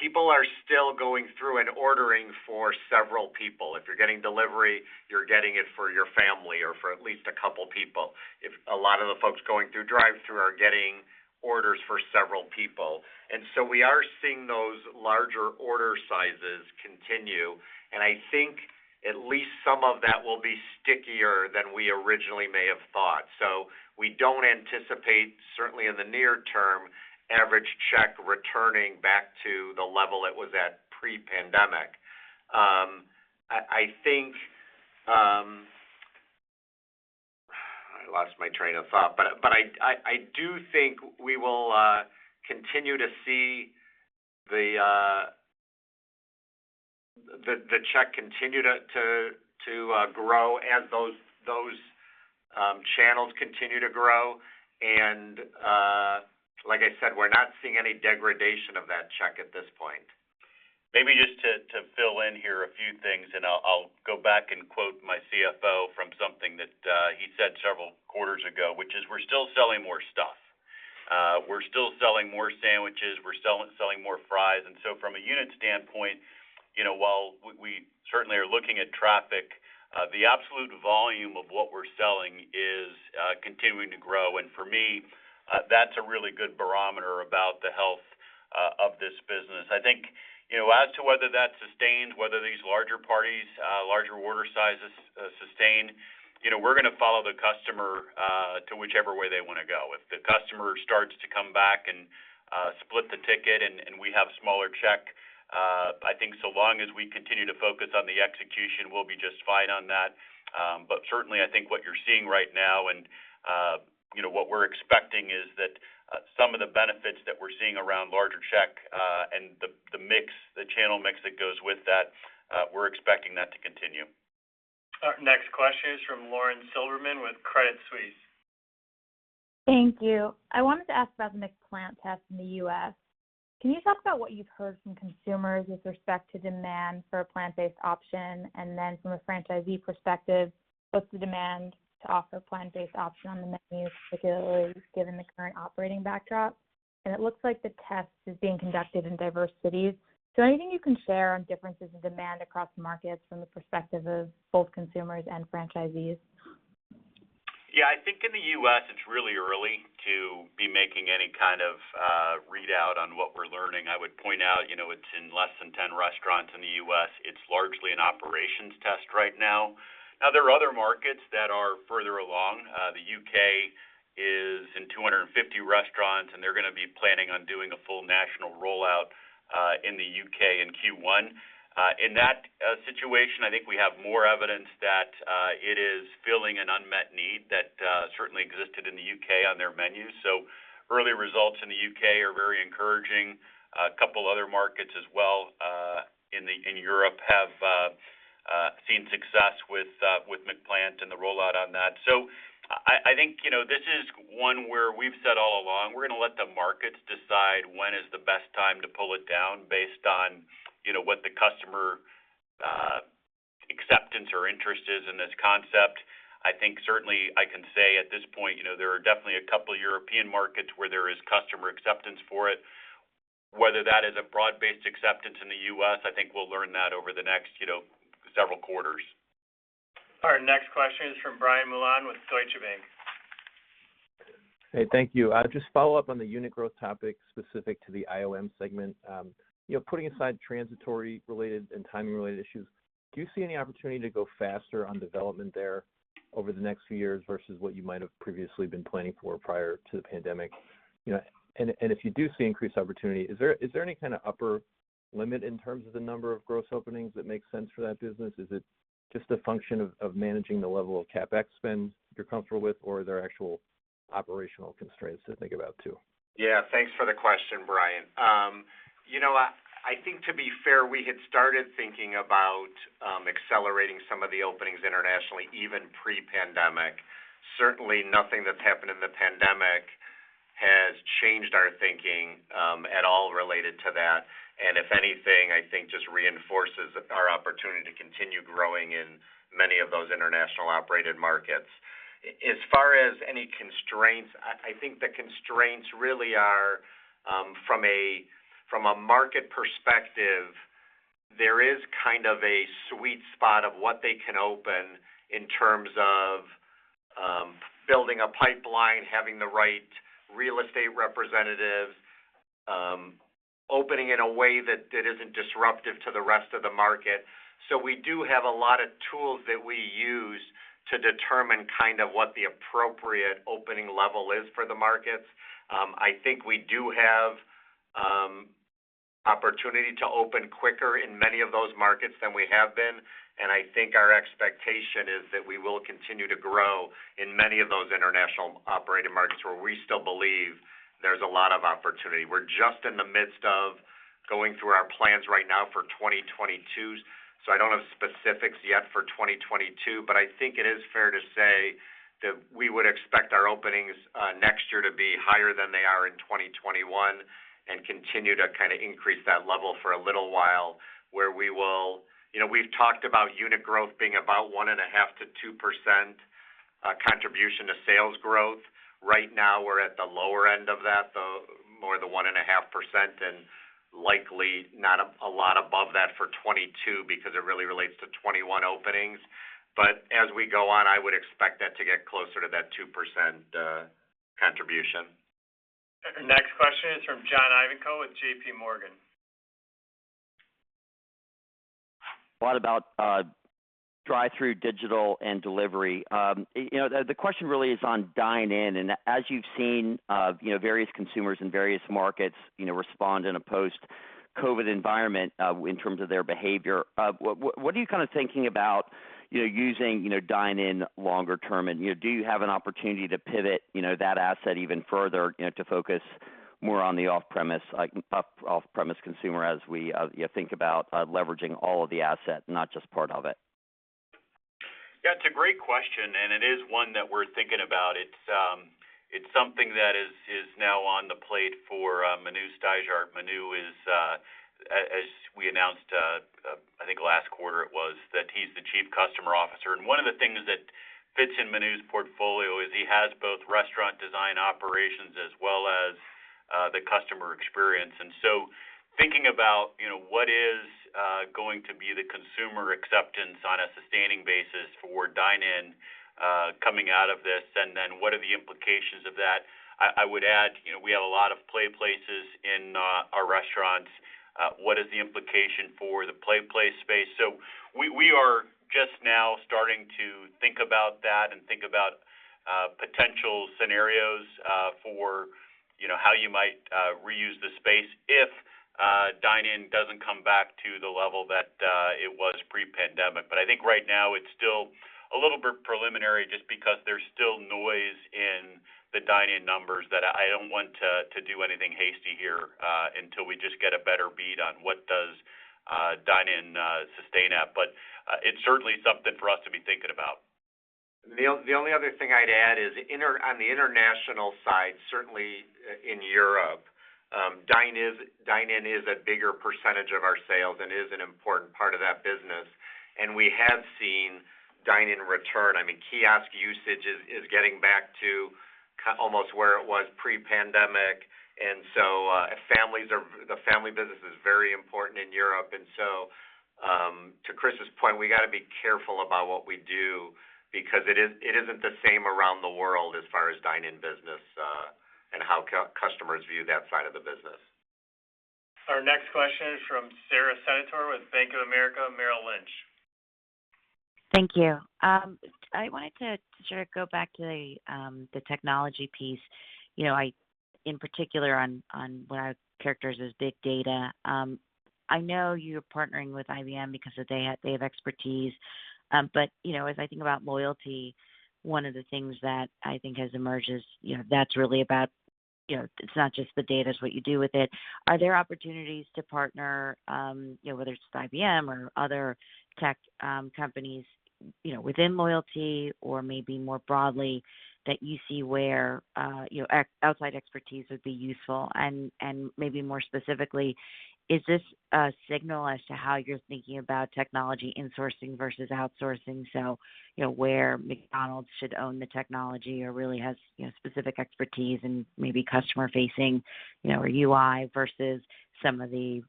Speaker 4: people are still going through and ordering for several people. If you're getting delivery, you're getting it for your family or for at least a couple of people. If a lot of the folks going through drive-thru are getting orders for several people. And so we are seeing those larger order sizes continue. And I think at least some of that will be stickier than we originally may have thought. We don't anticipate, certainly in the near term, average check returning back to the level it was at pre-pandemic. I think I lost my train of thought, but I do think we will continue to see the check continue to grow as those channels continue to grow. Like I said, we're not seeing any degradation of that check at this point.
Speaker 3: Maybe just to fill in here a few things, and I'll go back and quote my CFO from something that he said several quarters ago, which is we're still selling more stuff. We're still selling more sandwiches, we're selling more fries. From a unit standpoint, you know, while we certainly are looking at traffic, the absolute volume of what we're selling is continuing to grow. For me, that's a really good barometer about the health of this business. I think, you know, as to whether that sustains, whether these larger parties, larger order sizes, sustain, you know, we're gonna follow the customer to whichever way they wanna go. If the customer starts to come back and split the ticket and we have smaller check, I think so long as we continue to focus on the execution, we'll be just fine on that. Certainly I think what you're seeing right now and you know what we're expecting is that some of the benefits that we're seeing around larger check and the mix, the channel mix that goes with that, we're expecting that to continue. Our next question is from Lauren Silberman with Credit Suisse.
Speaker 14: Thank you. I wanted to ask about the McPlant test in the U.S. Can you talk about what you've heard from consumers with respect to demand for a plant-based option? From a franchisee perspective, what's the demand to offer plant-based option on the menu, particularly given the current operating backdrop? It looks like the test is being conducted in diverse cities. Is there anything you can share on differences in demand across markets from the perspective of both consumers and franchisees?
Speaker 4: Yeah. I think in the U.S., it's really early to be making any kind of readout on what we're learning. I would point out, you know, it's in less than 10 restaurants in the U.S. It's largely an operations test right now. Now, there are other markets that are further along. The U.K. is in 250 restaurants, and they're gonna be planning on doing a full national rollout in the U.K. in Q1. In that situation, I think we have more evidence that it is filling an unmet need that certainly existed in the U.K. on their menu. Early results in the U.K. are very encouraging. A couple other markets as well in Europe have seen success with McPlant and the rollout on that. I think, you know, this is one where we've said all along, we're gonna let the markets decide when is the best time to pull it down based on, you know, what the customer interest is in this concept. I think certainly I can say at this point, you know, there are definitely a couple of European markets where there is customer acceptance for it. Whether that is a broad-based acceptance in the U.S., I think we'll learn that over the next, you know, several quarters.
Speaker 2: Our next question is from Brian Mullan with Deutsche Bank.
Speaker 15: Hey, thank you. I'll just follow up on the unit growth topic specific to the IOM segment. You know, putting aside transitory related and timing related issues, do you see any opportunity to go faster on development there over the next few years versus what you might have previously been planning for prior to the pandemic? You know, and if you do see increased opportunity, is there any kind of upper limit in terms of the number of gross openings that makes sense for that business? Is it just a function of managing the level of CapEx spend you're comfortable with or are there actual operational constraints to think about too?
Speaker 4: Yeah, thanks for the question, Brian. You know, I think to be fair, we had started thinking about accelerating some of the openings internationally, even pre-pandemic. Certainly, nothing that's happened in the pandemic has changed our thinking at all related to that. If anything, I think just reinforces our opportunity to continue growing in many of those international operated markets. As far as any constraints, I think the constraints really are from a market perspective, there is kind of a sweet spot of what they can open in terms of building a pipeline, having the right real estate representative, opening in a way that isn't disruptive to the rest of the market. So we do have a lot of tools that we use to determine kind of what the appropriate opening level is for the markets. I think we do have opportunity to open quicker in many of those markets than we have been, and I think our expectation is that we will continue to grow in many of those International Operated Markets where we still believe there's a lot of opportunity. We're just in the midst of going through our plans right now for 2022s, so I don't have specifics yet for 2022, but I think it is fair to say that we would expect our openings next year to be higher than they are in 2021 and continue to kind of increase that level for a little while, where we will. You know, we've talked about unit growth being about 1.5%-2% contribution to sales growth. Right now, we're at the lower end of that, more like the 1.5%, and likely not a lot above that for 2022 because it really relates to 2021 openings. As we go on, I would expect that to get closer to that 2% contribution.
Speaker 2: Next question is from John Ivankoe with JPMorgan.
Speaker 16: What about drive-through digital and delivery? You know, the question really is on dine in. As you've seen, you know, various consumers in various markets respond in a post-COVID environment in terms of their behavior, what are you kinda thinking about, you know, using dine in longer term? Do you have an opportunity to pivot, you know, that asset even further, you know, to focus more on the off-premise consumer as we think about leveraging all of the asset, not just part of it?
Speaker 4: Yeah, it's a great question, and it is one that we're thinking about. It's something that is now on the plate for Manu Steijaert. Manu is, as we announced, I think last quarter it was, that he's the Chief Customer Officer. One of the things that fits in Manu's portfolio is he has both restaurant design operations as well as the customer experience. Thinking about, you know, what is going to be the consumer acceptance on a sustaining basis for dine-in, coming out of this, and then what are the implications of that? I would add, you know, we have a lot of play places in our restaurants. What is the implication for the play place space? We are just now starting to think about that and think about potential scenarios for you know how you might reuse the space if dine in doesn't come back to the level that it was pre-pandemic. I think right now it's still a little bit preliminary just because there's still noise in the dine in numbers that I don't want to do anything hasty here until we just get a better read on what does dine in sustain at. It's certainly something for us to be thinking about. The only other thing I'd add is on the international side, certainly in Europe, dine in is a bigger percentage of our sales and is an important part of that business. We have seen dine in return. I mean, kiosk usage is getting back to almost where it was pre-pandemic. The family business is very important in Europe. To Chris's point, we gotta be careful about what we do because it isn't the same around the world as far as dine in business and how customers view that side of the business.
Speaker 2: Our next question is from Sara Senatore with Bank of America Merrill Lynch.
Speaker 17: Thank you. I wanted to sort of go back to the technology piece. You know, in particular on what I characterized as big data. I know you're partnering with IBM because they have expertise. You know, as I think about loyalty, one of the things that I think has emerged is, you know, that's really about you know, it's not just the data, it's what you do with it. Are there opportunities to partner, you know, whether it's IBM or other tech companies, you know, within loyalty or maybe more broadly that you see where, you know, outside expertise would be useful? Maybe more specifically, is this a signal as to how you're thinking about technology insourcing versus outsourcing? You know, where McDonald's should own the technology or really has, you know, specific expertise in maybe customer facing, you know, or UI versus some of the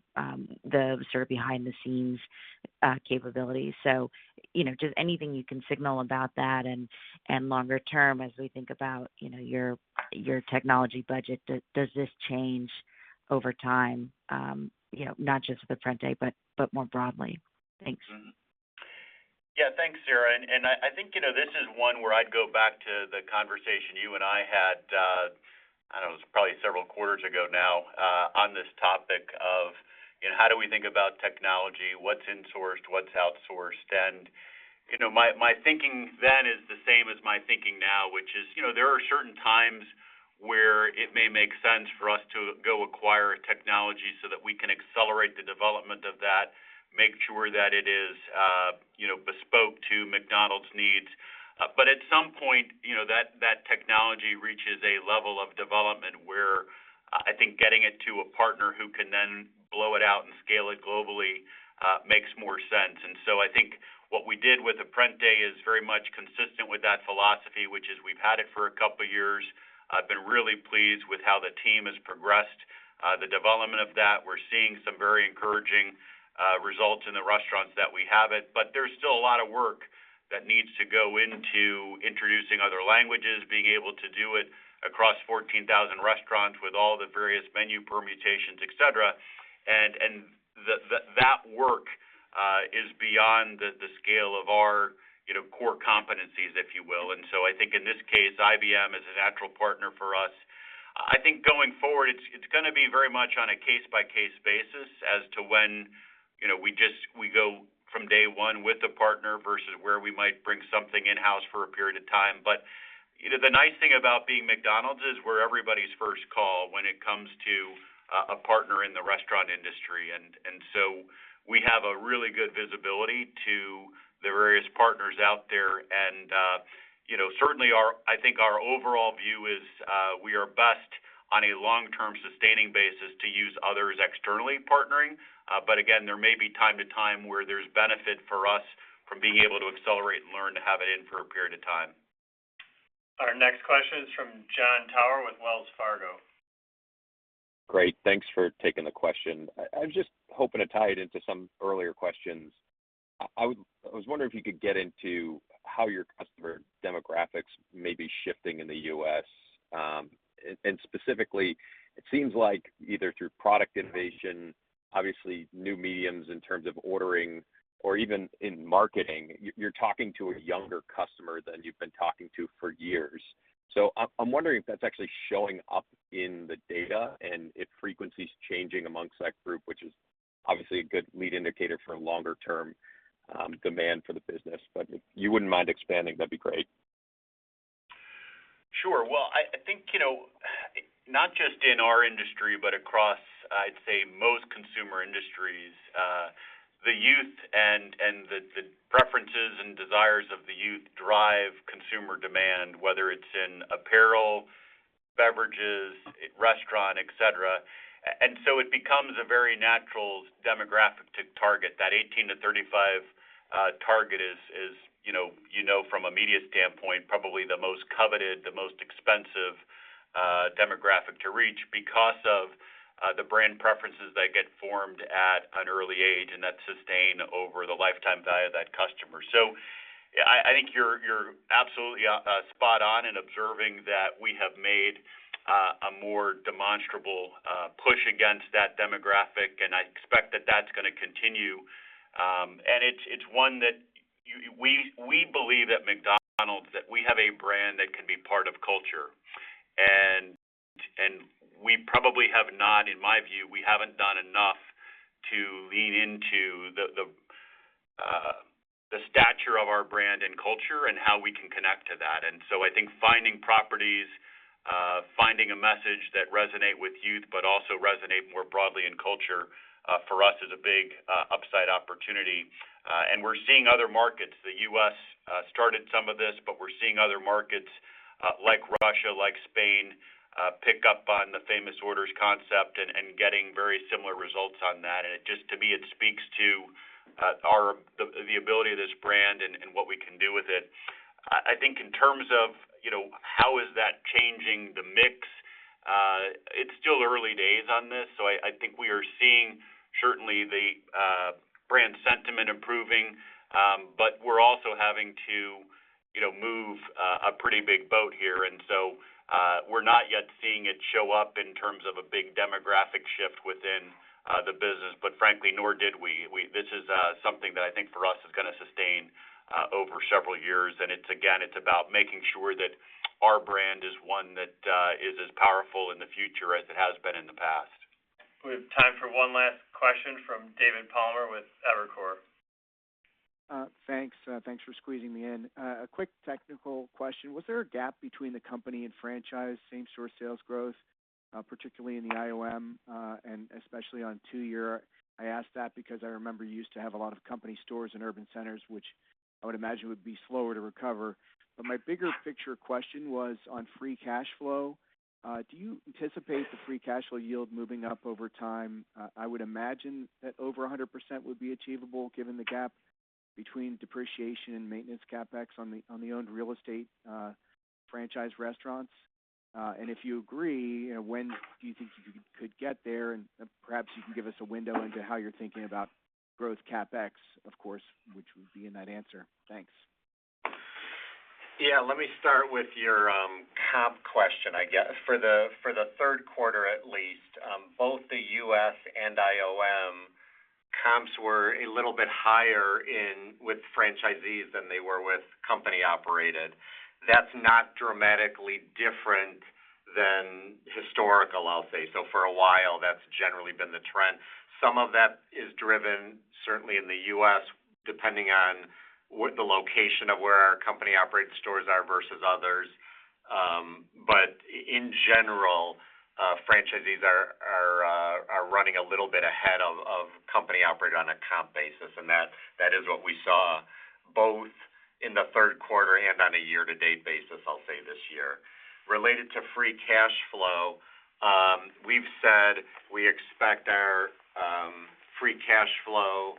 Speaker 17: sort of behind the scenes capabilities. You know, just anything you can signal about that and longer term as we think about, you know, your technology budget. Does this change over time? You know, not just with Apprente, but more broadly. Thanks.
Speaker 3: Yeah, thanks, Sarah. I think, you know, this is one where I'd go back to the conversation you and I had, I don't know, it was probably several quarters ago now, on this topic of, you know, how do we think about technology, what's insourced, what's outsourced. You know, my thinking then is the same as my thinking now, which is, you know, there are certain times where it may make sense for us to go acquire a technology so that we can accelerate the development of that, make sure that it is, you know, bespoke to McDonald's needs. But at some point, you know, that technology reaches a level of development where I think getting it to a partner who can then blow it out and scale it globally, makes more sense. I think what we did with Apprente is very much consistent with that philosophy, which is we've had it for a couple of years. I've been really pleased with how the team has progressed, the development of that. We're seeing some very encouraging results in the restaurants that we have it. But there's still a lot of work that needs to go into introducing other languages, being able to do it across 14,000 restaurants with all the various menu permutations, et cetera. That work is beyond the scale of our, you know, core competencies, if you will. I think in this case, IBM is a natural partner for us. I think going forward, it's gonna be very much on a case-by-case basis as to when, you know, we go from day one with a partner versus where we might bring something in-house for a period of time. You know, the nice thing about being McDonald's is we're everybody's first call when it comes to a partner in the restaurant industry. And so we have a really good visibility to the various partners out there. You know, certainly I think our overall view is we are best on a long-term sustaining basis to use others externally partnering. Again, there may be from time to time where there's benefit for us from being able to accelerate and learn to have it in for a period of time.
Speaker 2: Our next question is from Jon Tower with Wells Fargo.
Speaker 18: Great. Thanks for taking the question. I was just hoping to tie it into some earlier questions. I was wondering if you could get into how your customer demographics may be shifting in the U.S. Specifically, it seems like either through product innovation, obviously new mediums in terms of ordering or even in marketing, you're talking to a younger customer than you've been talking to for years. I'm wondering if that's actually showing up in the data and if frequency is changing amongst that group, which is obviously a good lead indicator for longer term demand for the business. If you wouldn't mind expanding, that'd be great.
Speaker 3: Sure. Well, I think, you know, not just in our industry, but across, I'd say, most consumer industries, the youth and the preferences and desires of the youth drive consumer demand, whether it's in apparel, beverages, restaurant, et cetera. It becomes a very natural demographic to target. That 18-35 target is, you know, from a media standpoint, probably the most coveted, the most expensive demographic to reach because of the brand preferences that get formed at an early age and that sustain over the lifetime value of that customer. I think you're absolutely spot on in observing that we have made a more demonstrable push against that demographic, and I expect that that's gonna continue. It's one that we believe at McDonald's that we have a brand that can be part of culture. We probably have not, in my view, we haven't done enough to lean into the stature of our brand and culture and how we can connect to that. I think finding properties, finding a message that resonate with youth, but also resonate more broadly in culture for us is a big upside opportunity. We're seeing other markets. The U.S. started some of this, but we're seeing other markets like Russia, like Spain pick up on the Famous Orders concept and getting very similar results on that. It just to me speaks to the ability of this brand and what we can do with it. I think in terms of, you know, how is that changing the mix. It's still early days on this. I think we are seeing certainly the brand sentiment improving, but we're also having to, you know, move a pretty big boat here. We're not yet seeing it show up in terms of a big demographic shift within the business. But frankly, nor did we. This is something that I think for us is gonna sustain over several years. It's again about making sure that our brand is one that is as powerful in the future as it has been in the past.
Speaker 2: We have time for one last question from David Palmer with Evercore ISI.
Speaker 19: Thanks. Thanks for squeezing me in. A quick technical question. Was there a gap between the company and franchise same-store sales growth, particularly in the IOM, and especially on two-year? I ask that because I remember you used to have a lot of company stores in urban centers, which I would imagine would be slower to recover. My bigger picture question was on free cash flow. Do you anticipate the free cash flow yield moving up over time? I would imagine that over 100% would be achievable given the gap between depreciation and maintenance CapEx on the owned real estate, franchise restaurants. And if you agree, you know, when do you think you could get there? Perhaps you can give us a window into how you're thinking about growth CapEx, of course, which would be in that answer. Thanks.
Speaker 4: Yeah. Let me start with your comp question, I guess. For the third quarter, at least, both the U.S. and IOM comps were a little bit higher with franchisees than they were with company-operated. That's not dramatically different than historical, I'll say. For a while, that's generally been the trend. Some of that is driven, certainly in the U.S., depending on where the location of where our company-operated stores are versus others. But in general, franchisees are running a little bit ahead of company-operated on a comp basis. That is what we saw both in the third quarter and on a year-to-date basis, I'll say, this year. Related to free cash flow, we've said we expect our free cash flow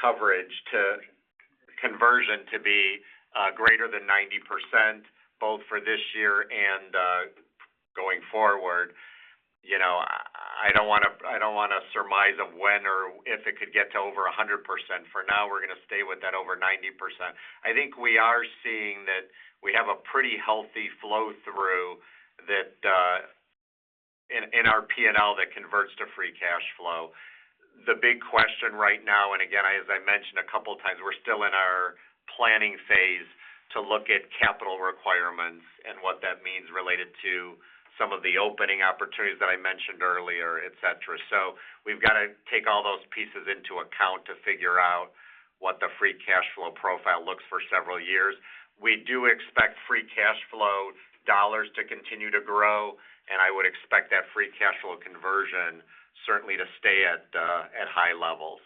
Speaker 4: coverage to conversion to be greater than 90%, both for this year and going forward. You know, I don't wanna surmise of when or if it could get to over 100%. For now, we're gonna stay with that over 90%. I think we are seeing that we have a pretty healthy flow through that in our P&L that converts to free cash flow. The big question right now, and again, as I mentioned a couple of times, we're still in our planning phase to look at capital requirements and what that means related to some of the opening opportunities that I mentioned earlier, et cetera. We've got to take all those pieces into account to figure out what the free cash flow profile looks for several years. We do expect free cash flow dollars to continue to grow, and I would expect that free cash flow conversion certainly to stay at high levels.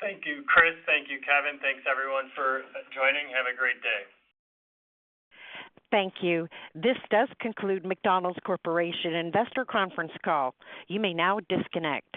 Speaker 2: Thank you, Chris. Thank you, Kevin. Thanks everyone for joining. Have a great day.
Speaker 1: Thank you. This does conclude McDonald's Corporation investor conference call. You may now disconnect.